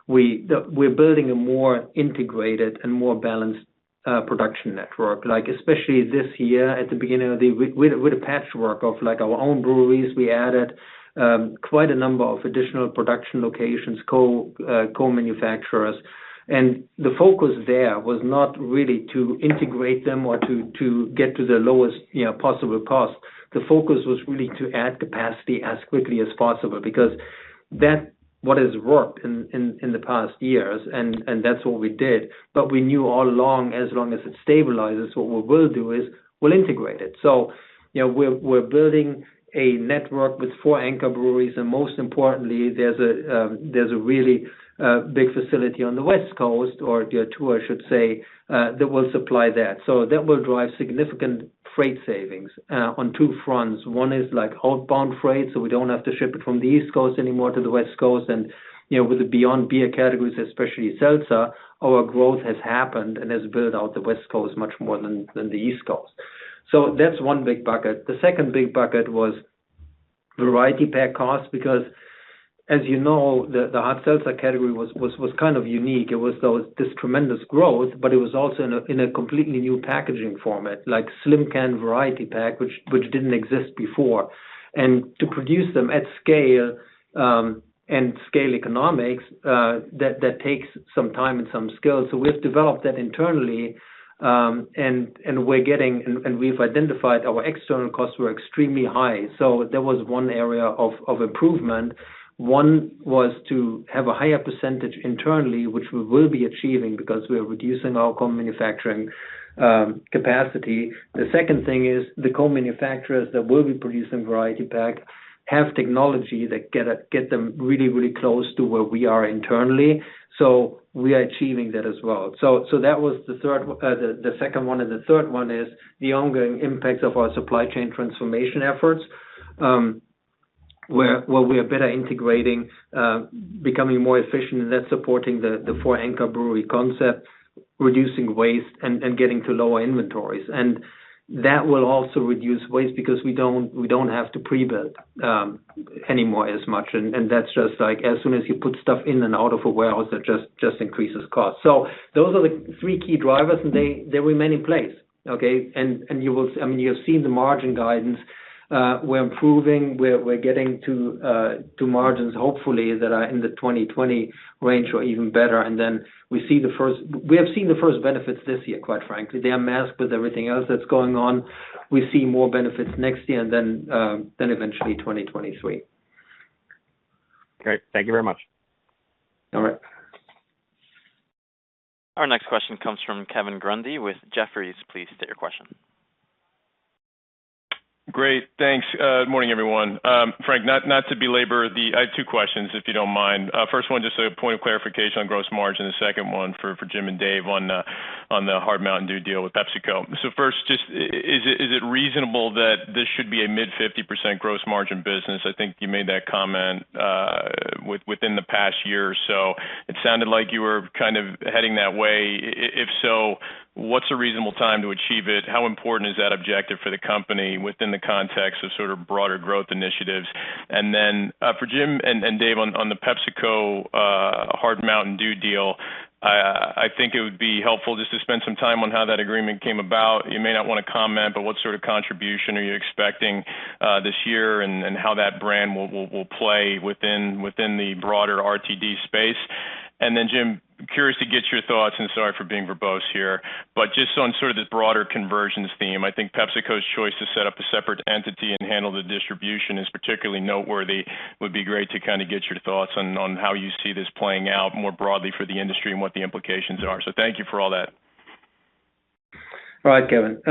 we're building a more integrated and more balanced production network. Especially this year, at the beginning, with a patchwork of our own breweries, we added quite a number of additional production locations, co-manufacturers. The focus there was not really to integrate them or to get to the lowest possible cost. The focus was really to add capacity as quickly as possible, because that's what has worked in the past years, and that's what we did. We knew all along, as long as it stabilizes, what we will do is we'll integrate it. We're building a network with four anchor breweries, and most importantly, there's a really big facility on the West Coast, or there are two, I should say, that will supply that. That will drive significant freight savings on two fronts. One is outbound freight, so we don't have to ship it from the East Coast anymore to the West Coast. With the Beyond Beer categories, especially seltzer, our growth has happened and has built out the West Coast much more than the East Coast. That's one big bucket. The second big bucket was variety pack cost, because as you know, the hard seltzer category was kind of unique. It was this tremendous growth, but it was also in a completely new packaging format, like slim can variety pack, which didn't exist before. To produce them at scale, and scale economics, that takes some time and some skill. We've developed that internally. We've identified our external costs were extremely high. There was one area of improvement. One was to have a higher percentage internally, which we will be achieving because we are reducing our co-manufacturing capacity. The second thing is the co-manufacturers that will be producing variety pack have technology that get them really close to where we are internally. We are achieving that as well. That was the second one, the third one is the ongoing impact of our supply chain transformation efforts, where we are better integrating, becoming more efficient, and that's supporting the four anchor brewery concept, reducing waste and getting to lower inventories. That will also reduce waste because we don't have to pre-build anymore as much. That's as soon as you put stuff in and out of a warehouse, that just increases cost. Those are the three key drivers, and they remain in place. Okay? You have seen the margin guidance. We're improving, we're getting to margins, hopefully, that are in the 2020 range or even better. We have seen the first benefits this year, quite frankly. They are masked with everything else that's going on. We see more benefits next year and then eventually 2023. Great. Thank you very much. All right. Our next question comes from Kevin Grundy with Jefferies. Please state your question. Great. Thanks. Good morning, everyone. Frank, not to belabor, I have two questions, if you don't mind. First one, just a point of clarification on gross margin. The second one for Jim and Dave on the Hard Mountain Dew deal with PepsiCo. First, just is it reasonable that this should be a mid-50% gross margin business? I think you made that comment within the past year or so. It sounded like you were kind of heading that way. If so, what's a reasonable time to achieve it? How important is that objective for the company within the context of sort of broader growth initiatives? Then for Jim and Dave on the PepsiCo Hard Mountain Dew deal, I think it would be helpful just to spend some time on how that agreement came about. You may not want to comment, but what sort of contribution are you expecting this year, and how that brand will play within the broader RTD space? Jim, curious to get your thoughts, and sorry for being verbose here, but just on sort of this broader convergence theme. I think PepsiCo's choice to set up a separate entity and handle the distribution is particularly noteworthy. Would be great to kind of get your thoughts on how you see this playing out more broadly for the industry and what the implications are. Thank you for all that. All right, Kevin.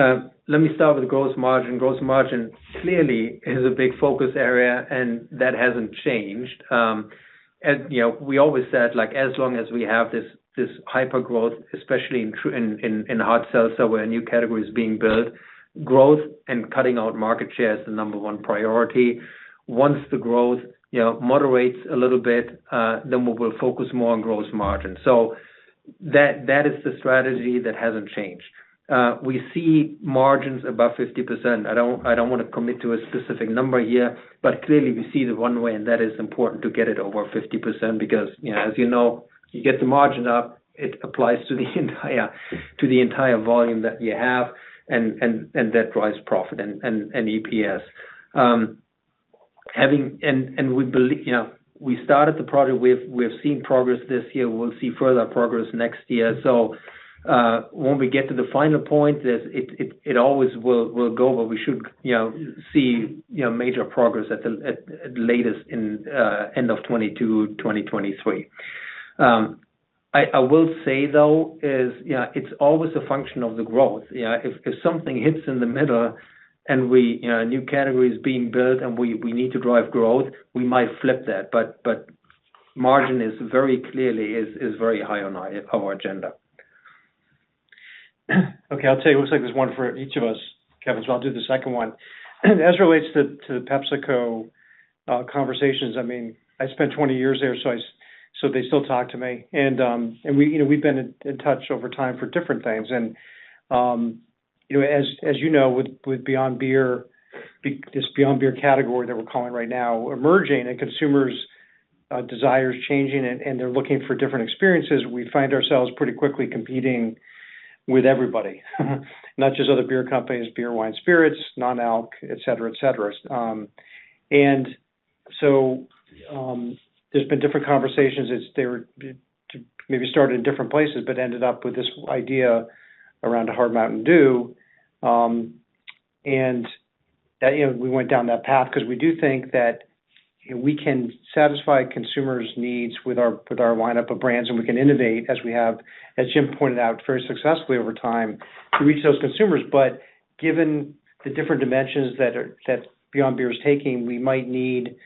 Let me start with gross margin. Gross margin clearly is a big focus area. That hasn't changed. We always said, as long as we have this hyper-growth, especially in hard seltzer, where a new category is being built, growth and cutting out market share is the number one priority. Once the growth moderates a little bit, we will focus more on gross margin. That is the strategy that hasn't changed. We see margins above 50%. I don't want to commit to a specific number here. Clearly we see the runway. That is important to get it over 50%. As you know, you get the margin up, it applies to the entire volume that you have, and that drives profit and EPS. We started the project, we've seen progress this year. We'll see further progress next year. When we get to the final point, it always will go, but we should see major progress at latest in end of 2022, 2023. I will say, though, is it's always a function of the growth. If something hits in the middle, and a new category is being built and we need to drive growth, we might flip that. Margin very clearly is very high on our agenda. Okay. I'll tell you, it looks like there's one for each of us, Kevin, so I'll do the second one. As relates to the PepsiCo conversations, I spent 20 years there, so they still talk to me. We've been in touch over time for different things. As you know, with this Beyond Beer category that we're calling right now emerging and consumers' desires changing and they're looking for different experiences. We find ourselves pretty quickly competing with everybody. Not just other beer companies, beer, wine, spirits, non-alcohol, et cetera. There's been different conversations. They maybe started in different places, but ended up with this idea around Hard Mountain Dew. We went down that path because we do think that we can satisfy consumers' needs with our lineup of brands, and we can innovate as we have, as Jim pointed out, very successfully over time to reach those consumers. Given the different dimensions that Beyond Beer is taking, we might need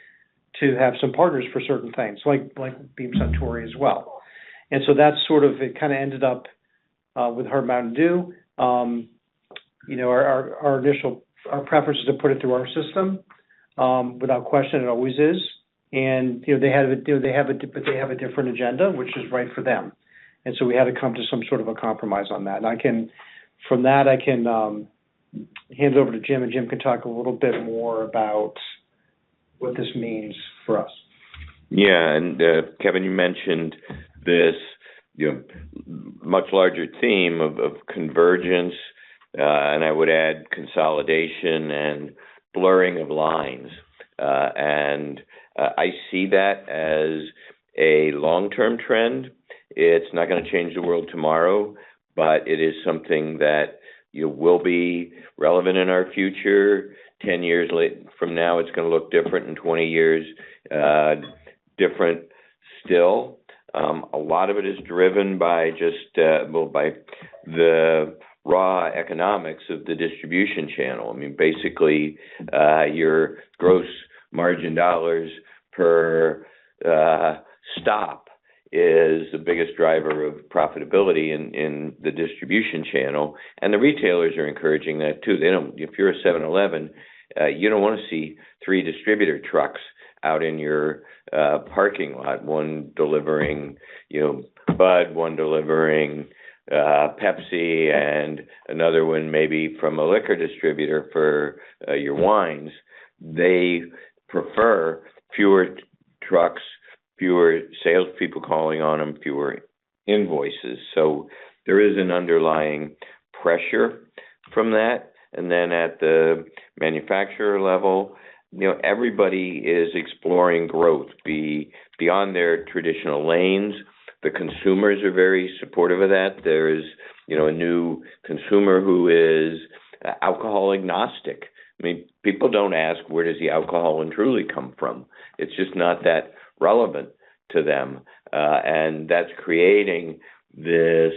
to have some partners for certain things, like Beam Suntory as well. That kind of ended up with Hard Mountain Dew. Our preference is to put it through our system. Without question, it always is. They have a different agenda, which is right for them. We had to come to some sort of a compromise on that. From that, I can hand it over to Jim, and Jim can talk a little bit more about what this means for us. Yeah. Kevin, you mentioned this much larger theme of convergence, and I would add consolidation and blurring of lines. I see that as a long-term trend. It's not going to change the world tomorrow, but it is something that will be relevant in our future. Ten years from now, it's going to look different. In 20 years, different still. A lot of it is driven by the raw economics of the distribution channel. Basically, your gross margin dollars per stop is the biggest driver of profitability in the distribution channel. The retailers are encouraging that, too. If you're a 7-Eleven, you don't want to see three distributor trucks out in your parking lot, one delivering Bud, one delivering Pepsi, and another one maybe from a liquor distributor for your wines. They prefer fewer trucks, fewer salespeople calling on them, fewer invoices. There is an underlying pressure from that. At the manufacturer level, everybody is exploring growth beyond their traditional lanes. The consumers are very supportive of that. There is a new consumer who is alcohol agnostic. People don't ask, where does the alcohol in Truly come from? It's just not that relevant to them. That's creating this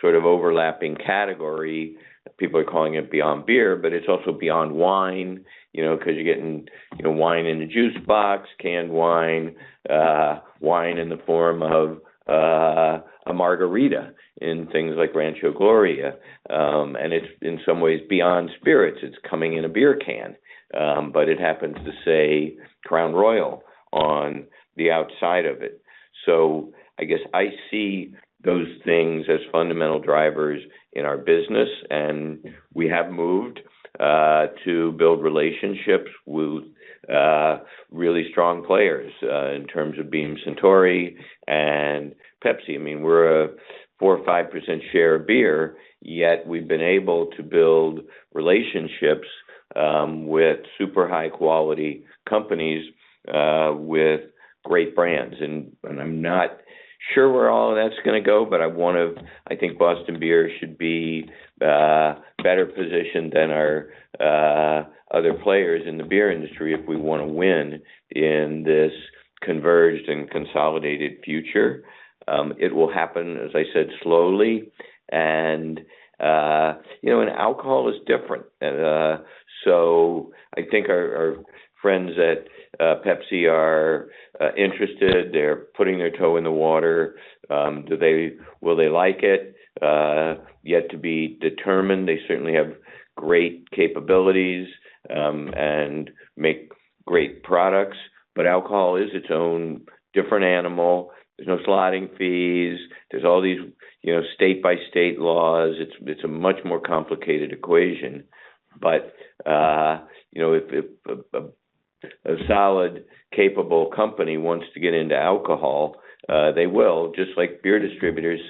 sort of overlapping category. People are calling it Beyond Beer, but it's also Beyond Wine, because you're getting wine in a juice box, canned wine in the form of a margarita in things like Rancho La Gloria. It's, in some ways, Beyond Spirits. It's coming in a beer can. It happens to say Crown Royal on the outside of it. I guess I see those things as fundamental drivers in our business. We have moved to build relationships with really strong players in terms of Beam Suntory and Pepsi. We're a 4% or 5% share of beer, yet we've been able to build relationships with super high-quality companies with great brands. I'm not sure where all of that's going to go, but I think Boston Beer should be better positioned than our other players in the beer industry if we want to win in this converged and consolidated future. It will happen, as I said, slowly. Alcohol is different. I think our friends at Pepsi are interested. They're putting their toe in the water. Will they like it? Yet to be determined. They certainly have great capabilities and make great products. Alcohol is its own different animal. There's no slotting fees. There's all these state-by-state laws. It's a much more complicated equation. If a solid, capable company wants to get into alcohol, they will, just like beer distributors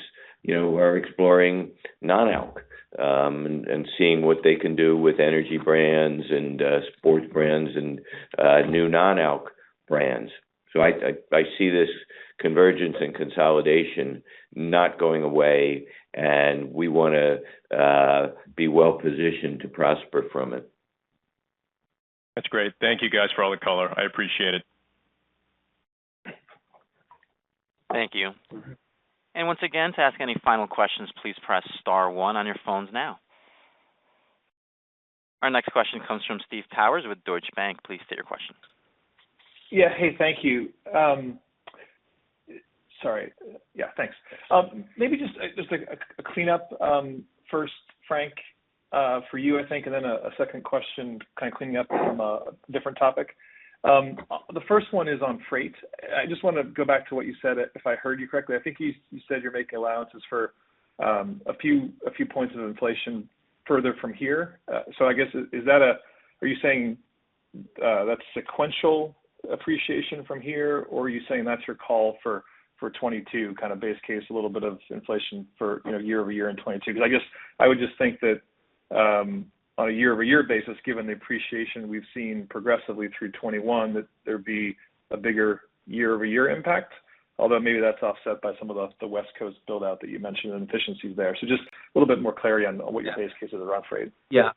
who are exploring non-alcohol and seeing what they can do with energy brands and sports brands and new non-alcohol brands. I see this convergence and consolidation not going away, and we want to be well-positioned to prosper from it. That's great. Thank you guys for all the color. I appreciate it. Thank you. Once again, to ask any final questions, please press star one on your phones now. Our next question comes from Steve Powers with Deutsche Bank. Please state your question. Yeah. Hey, thank you. Yeah, thanks. Maybe just a cleanup first, Frank, for you, I think, and then a second question kind of cleaning up from a different topic. The first one is on freight. I just want to go back to what you said, if I heard you correctly. I think you said you're making allowances for a few points of inflation further from here. I guess, are you saying that's sequential appreciation from here? Or are you saying that's your call for 2022? Kind of base case, a little bit of inflation for year-over-year in 2022? I guess I would just think that, on a year-over-year basis, given the appreciation we've seen progressively through 2021. That there'd be a bigger year-over-year impact, although maybe that's offset by some of the West Coast build-out that you mentioned and efficiencies there. Just a little bit more clarity on what your case is around freight? Yeah.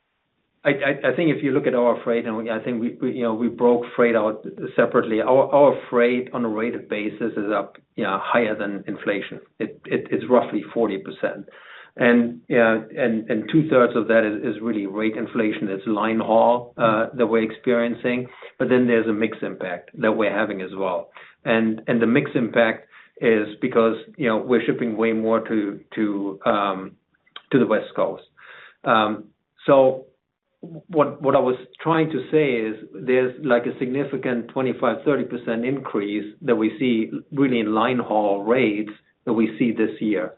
I think if you look at our freight, I think we broke freight out separately. Our freight on a rate of basis is up higher than inflation. It's roughly 40%. Two-thirds of that is really rate inflation. It's line haul that we're experiencing. There's a mix impact that we're having as well. The mix impact is because we're shipping way more to the West Coast. What I was trying to say is there's like a significant 25%-30% increase that we see really in line haul rates that we see this year.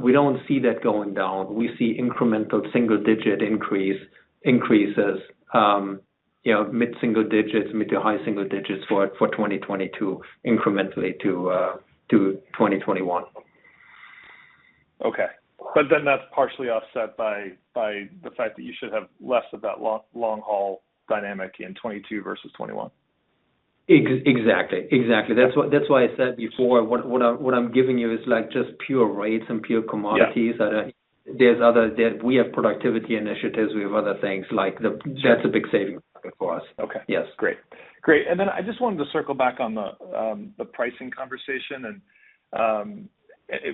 We don't see that going down. We see incremental single digit increases, mid-single digits, mid- to high-single digits for 2022 incrementally to 2021. Okay. That's partially offset by the fact that you should have less of that long-haul dynamic in 2022 versus 2021? Exactly. That's why I said before, what I'm giving you is just pure rates and pure commodities. Yeah. We have productivity initiatives, we have other things. That's a big saving for us. Okay. Yes. Great. Then I just wanted to circle back on the pricing conversation and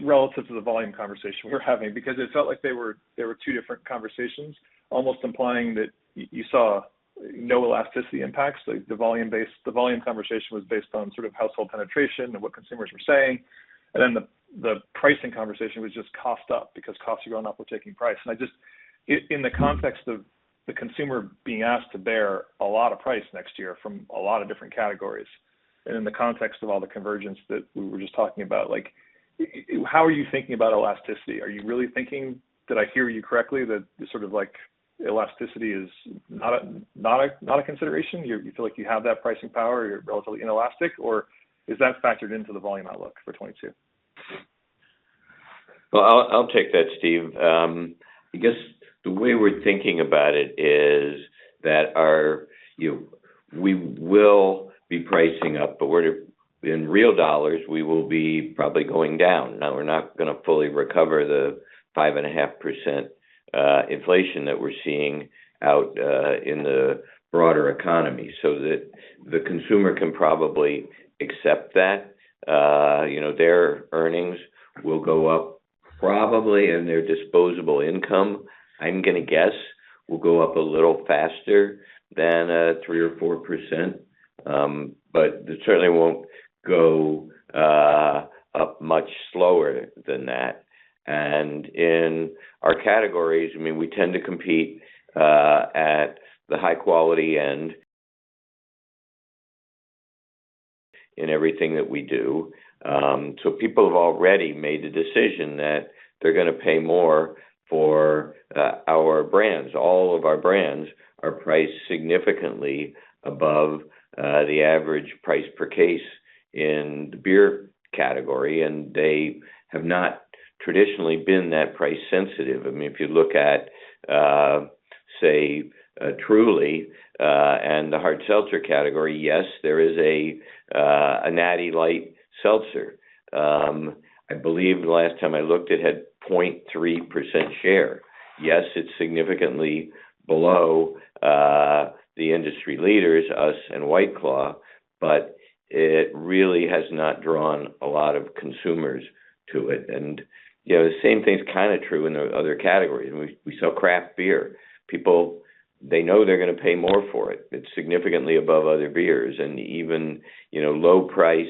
relative to the volume conversation we were having, because it felt like they were two different conversations, almost implying that you saw no elasticity impacts. The volume conversation was based on sort of household penetration and what consumers were saying, and then the pricing conversation was just cost up because costs are going up, we're taking price. In the context of the consumer being asked to bear a lot of price next year from a lot of different categories, and in the context of all the convergence that we were just talking about, how are you thinking about elasticity? Are you really thinking, did I hear you correctly that it's sort of like elasticity is not a consideration? You feel like you have that pricing power, you're relatively inelastic, or is that factored into the volume outlook for 2022? Well, I'll take that, Steve. I guess the way we're thinking about it is that we will be pricing up, but in real dollars, we will be probably going down. We're not going to fully recover the 5.5% inflation that we're seeing out in the broader economy, so that the consumer can probably accept that. Their earnings will go up probably, and their disposable income, I'm going to guess, will go up a little faster than 3% or 4%, but it certainly won't go up much slower than that. In our categories, we tend to compete at the high-quality end in everything that we do. People have already made the decision that they're going to pay more for our brands. All of our brands are priced significantly above the average price per case in the beer category, and they have not traditionally been that price sensitive. If you look at, say, Truly, and the hard seltzer category, yes, there is a Natty Light Seltzer. I believe the last time I looked, it had 0.3% share. Yes, it's significantly below the industry leaders, us and White Claw, but it really has not drawn a lot of consumers to it. The same thing's kind of true in the other categories. We sell craft beer. People know they're going to pay more for it. It's significantly above other beers, and even low-priced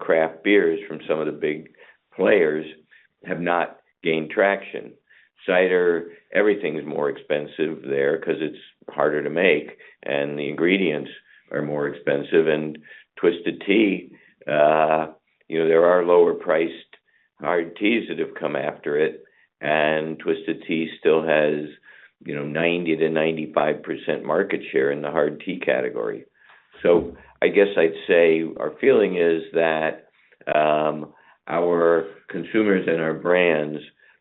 craft beers from some of the big players have not gained traction. Cider, everything is more expensive there because it's harder to make and the ingredients are more expensive. Twisted Tea, there are lower-priced hard teas that have come after it, and Twisted Tea still has 90%-95% market share in the hard tea category. I guess I'd say our feeling is that our consumers and our brands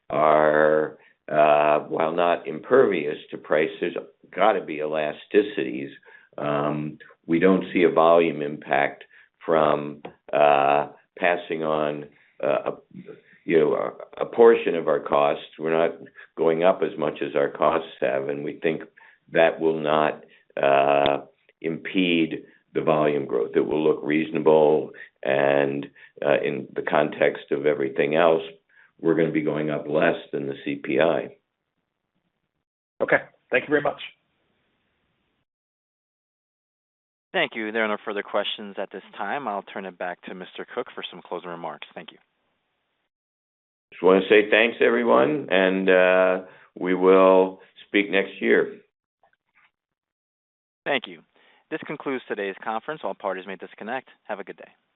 are, while not impervious to price, there's got to be elasticities. We don't see a volume impact from passing on a portion of our costs. We're not going up as much as our costs have, and we think that will not impede the volume growth. It will look reasonable, and in the context of everything else, we're going to be going up less than the CPI. Okay. Thank you very much. Thank you. There are no further questions at this time. I'll turn it back to Mr. Koch for some closing remarks. Thank you. Just want to say thanks to everyone. We will speak next year. Thank you. This concludes today's conference. All parties may disconnect. Have a good day.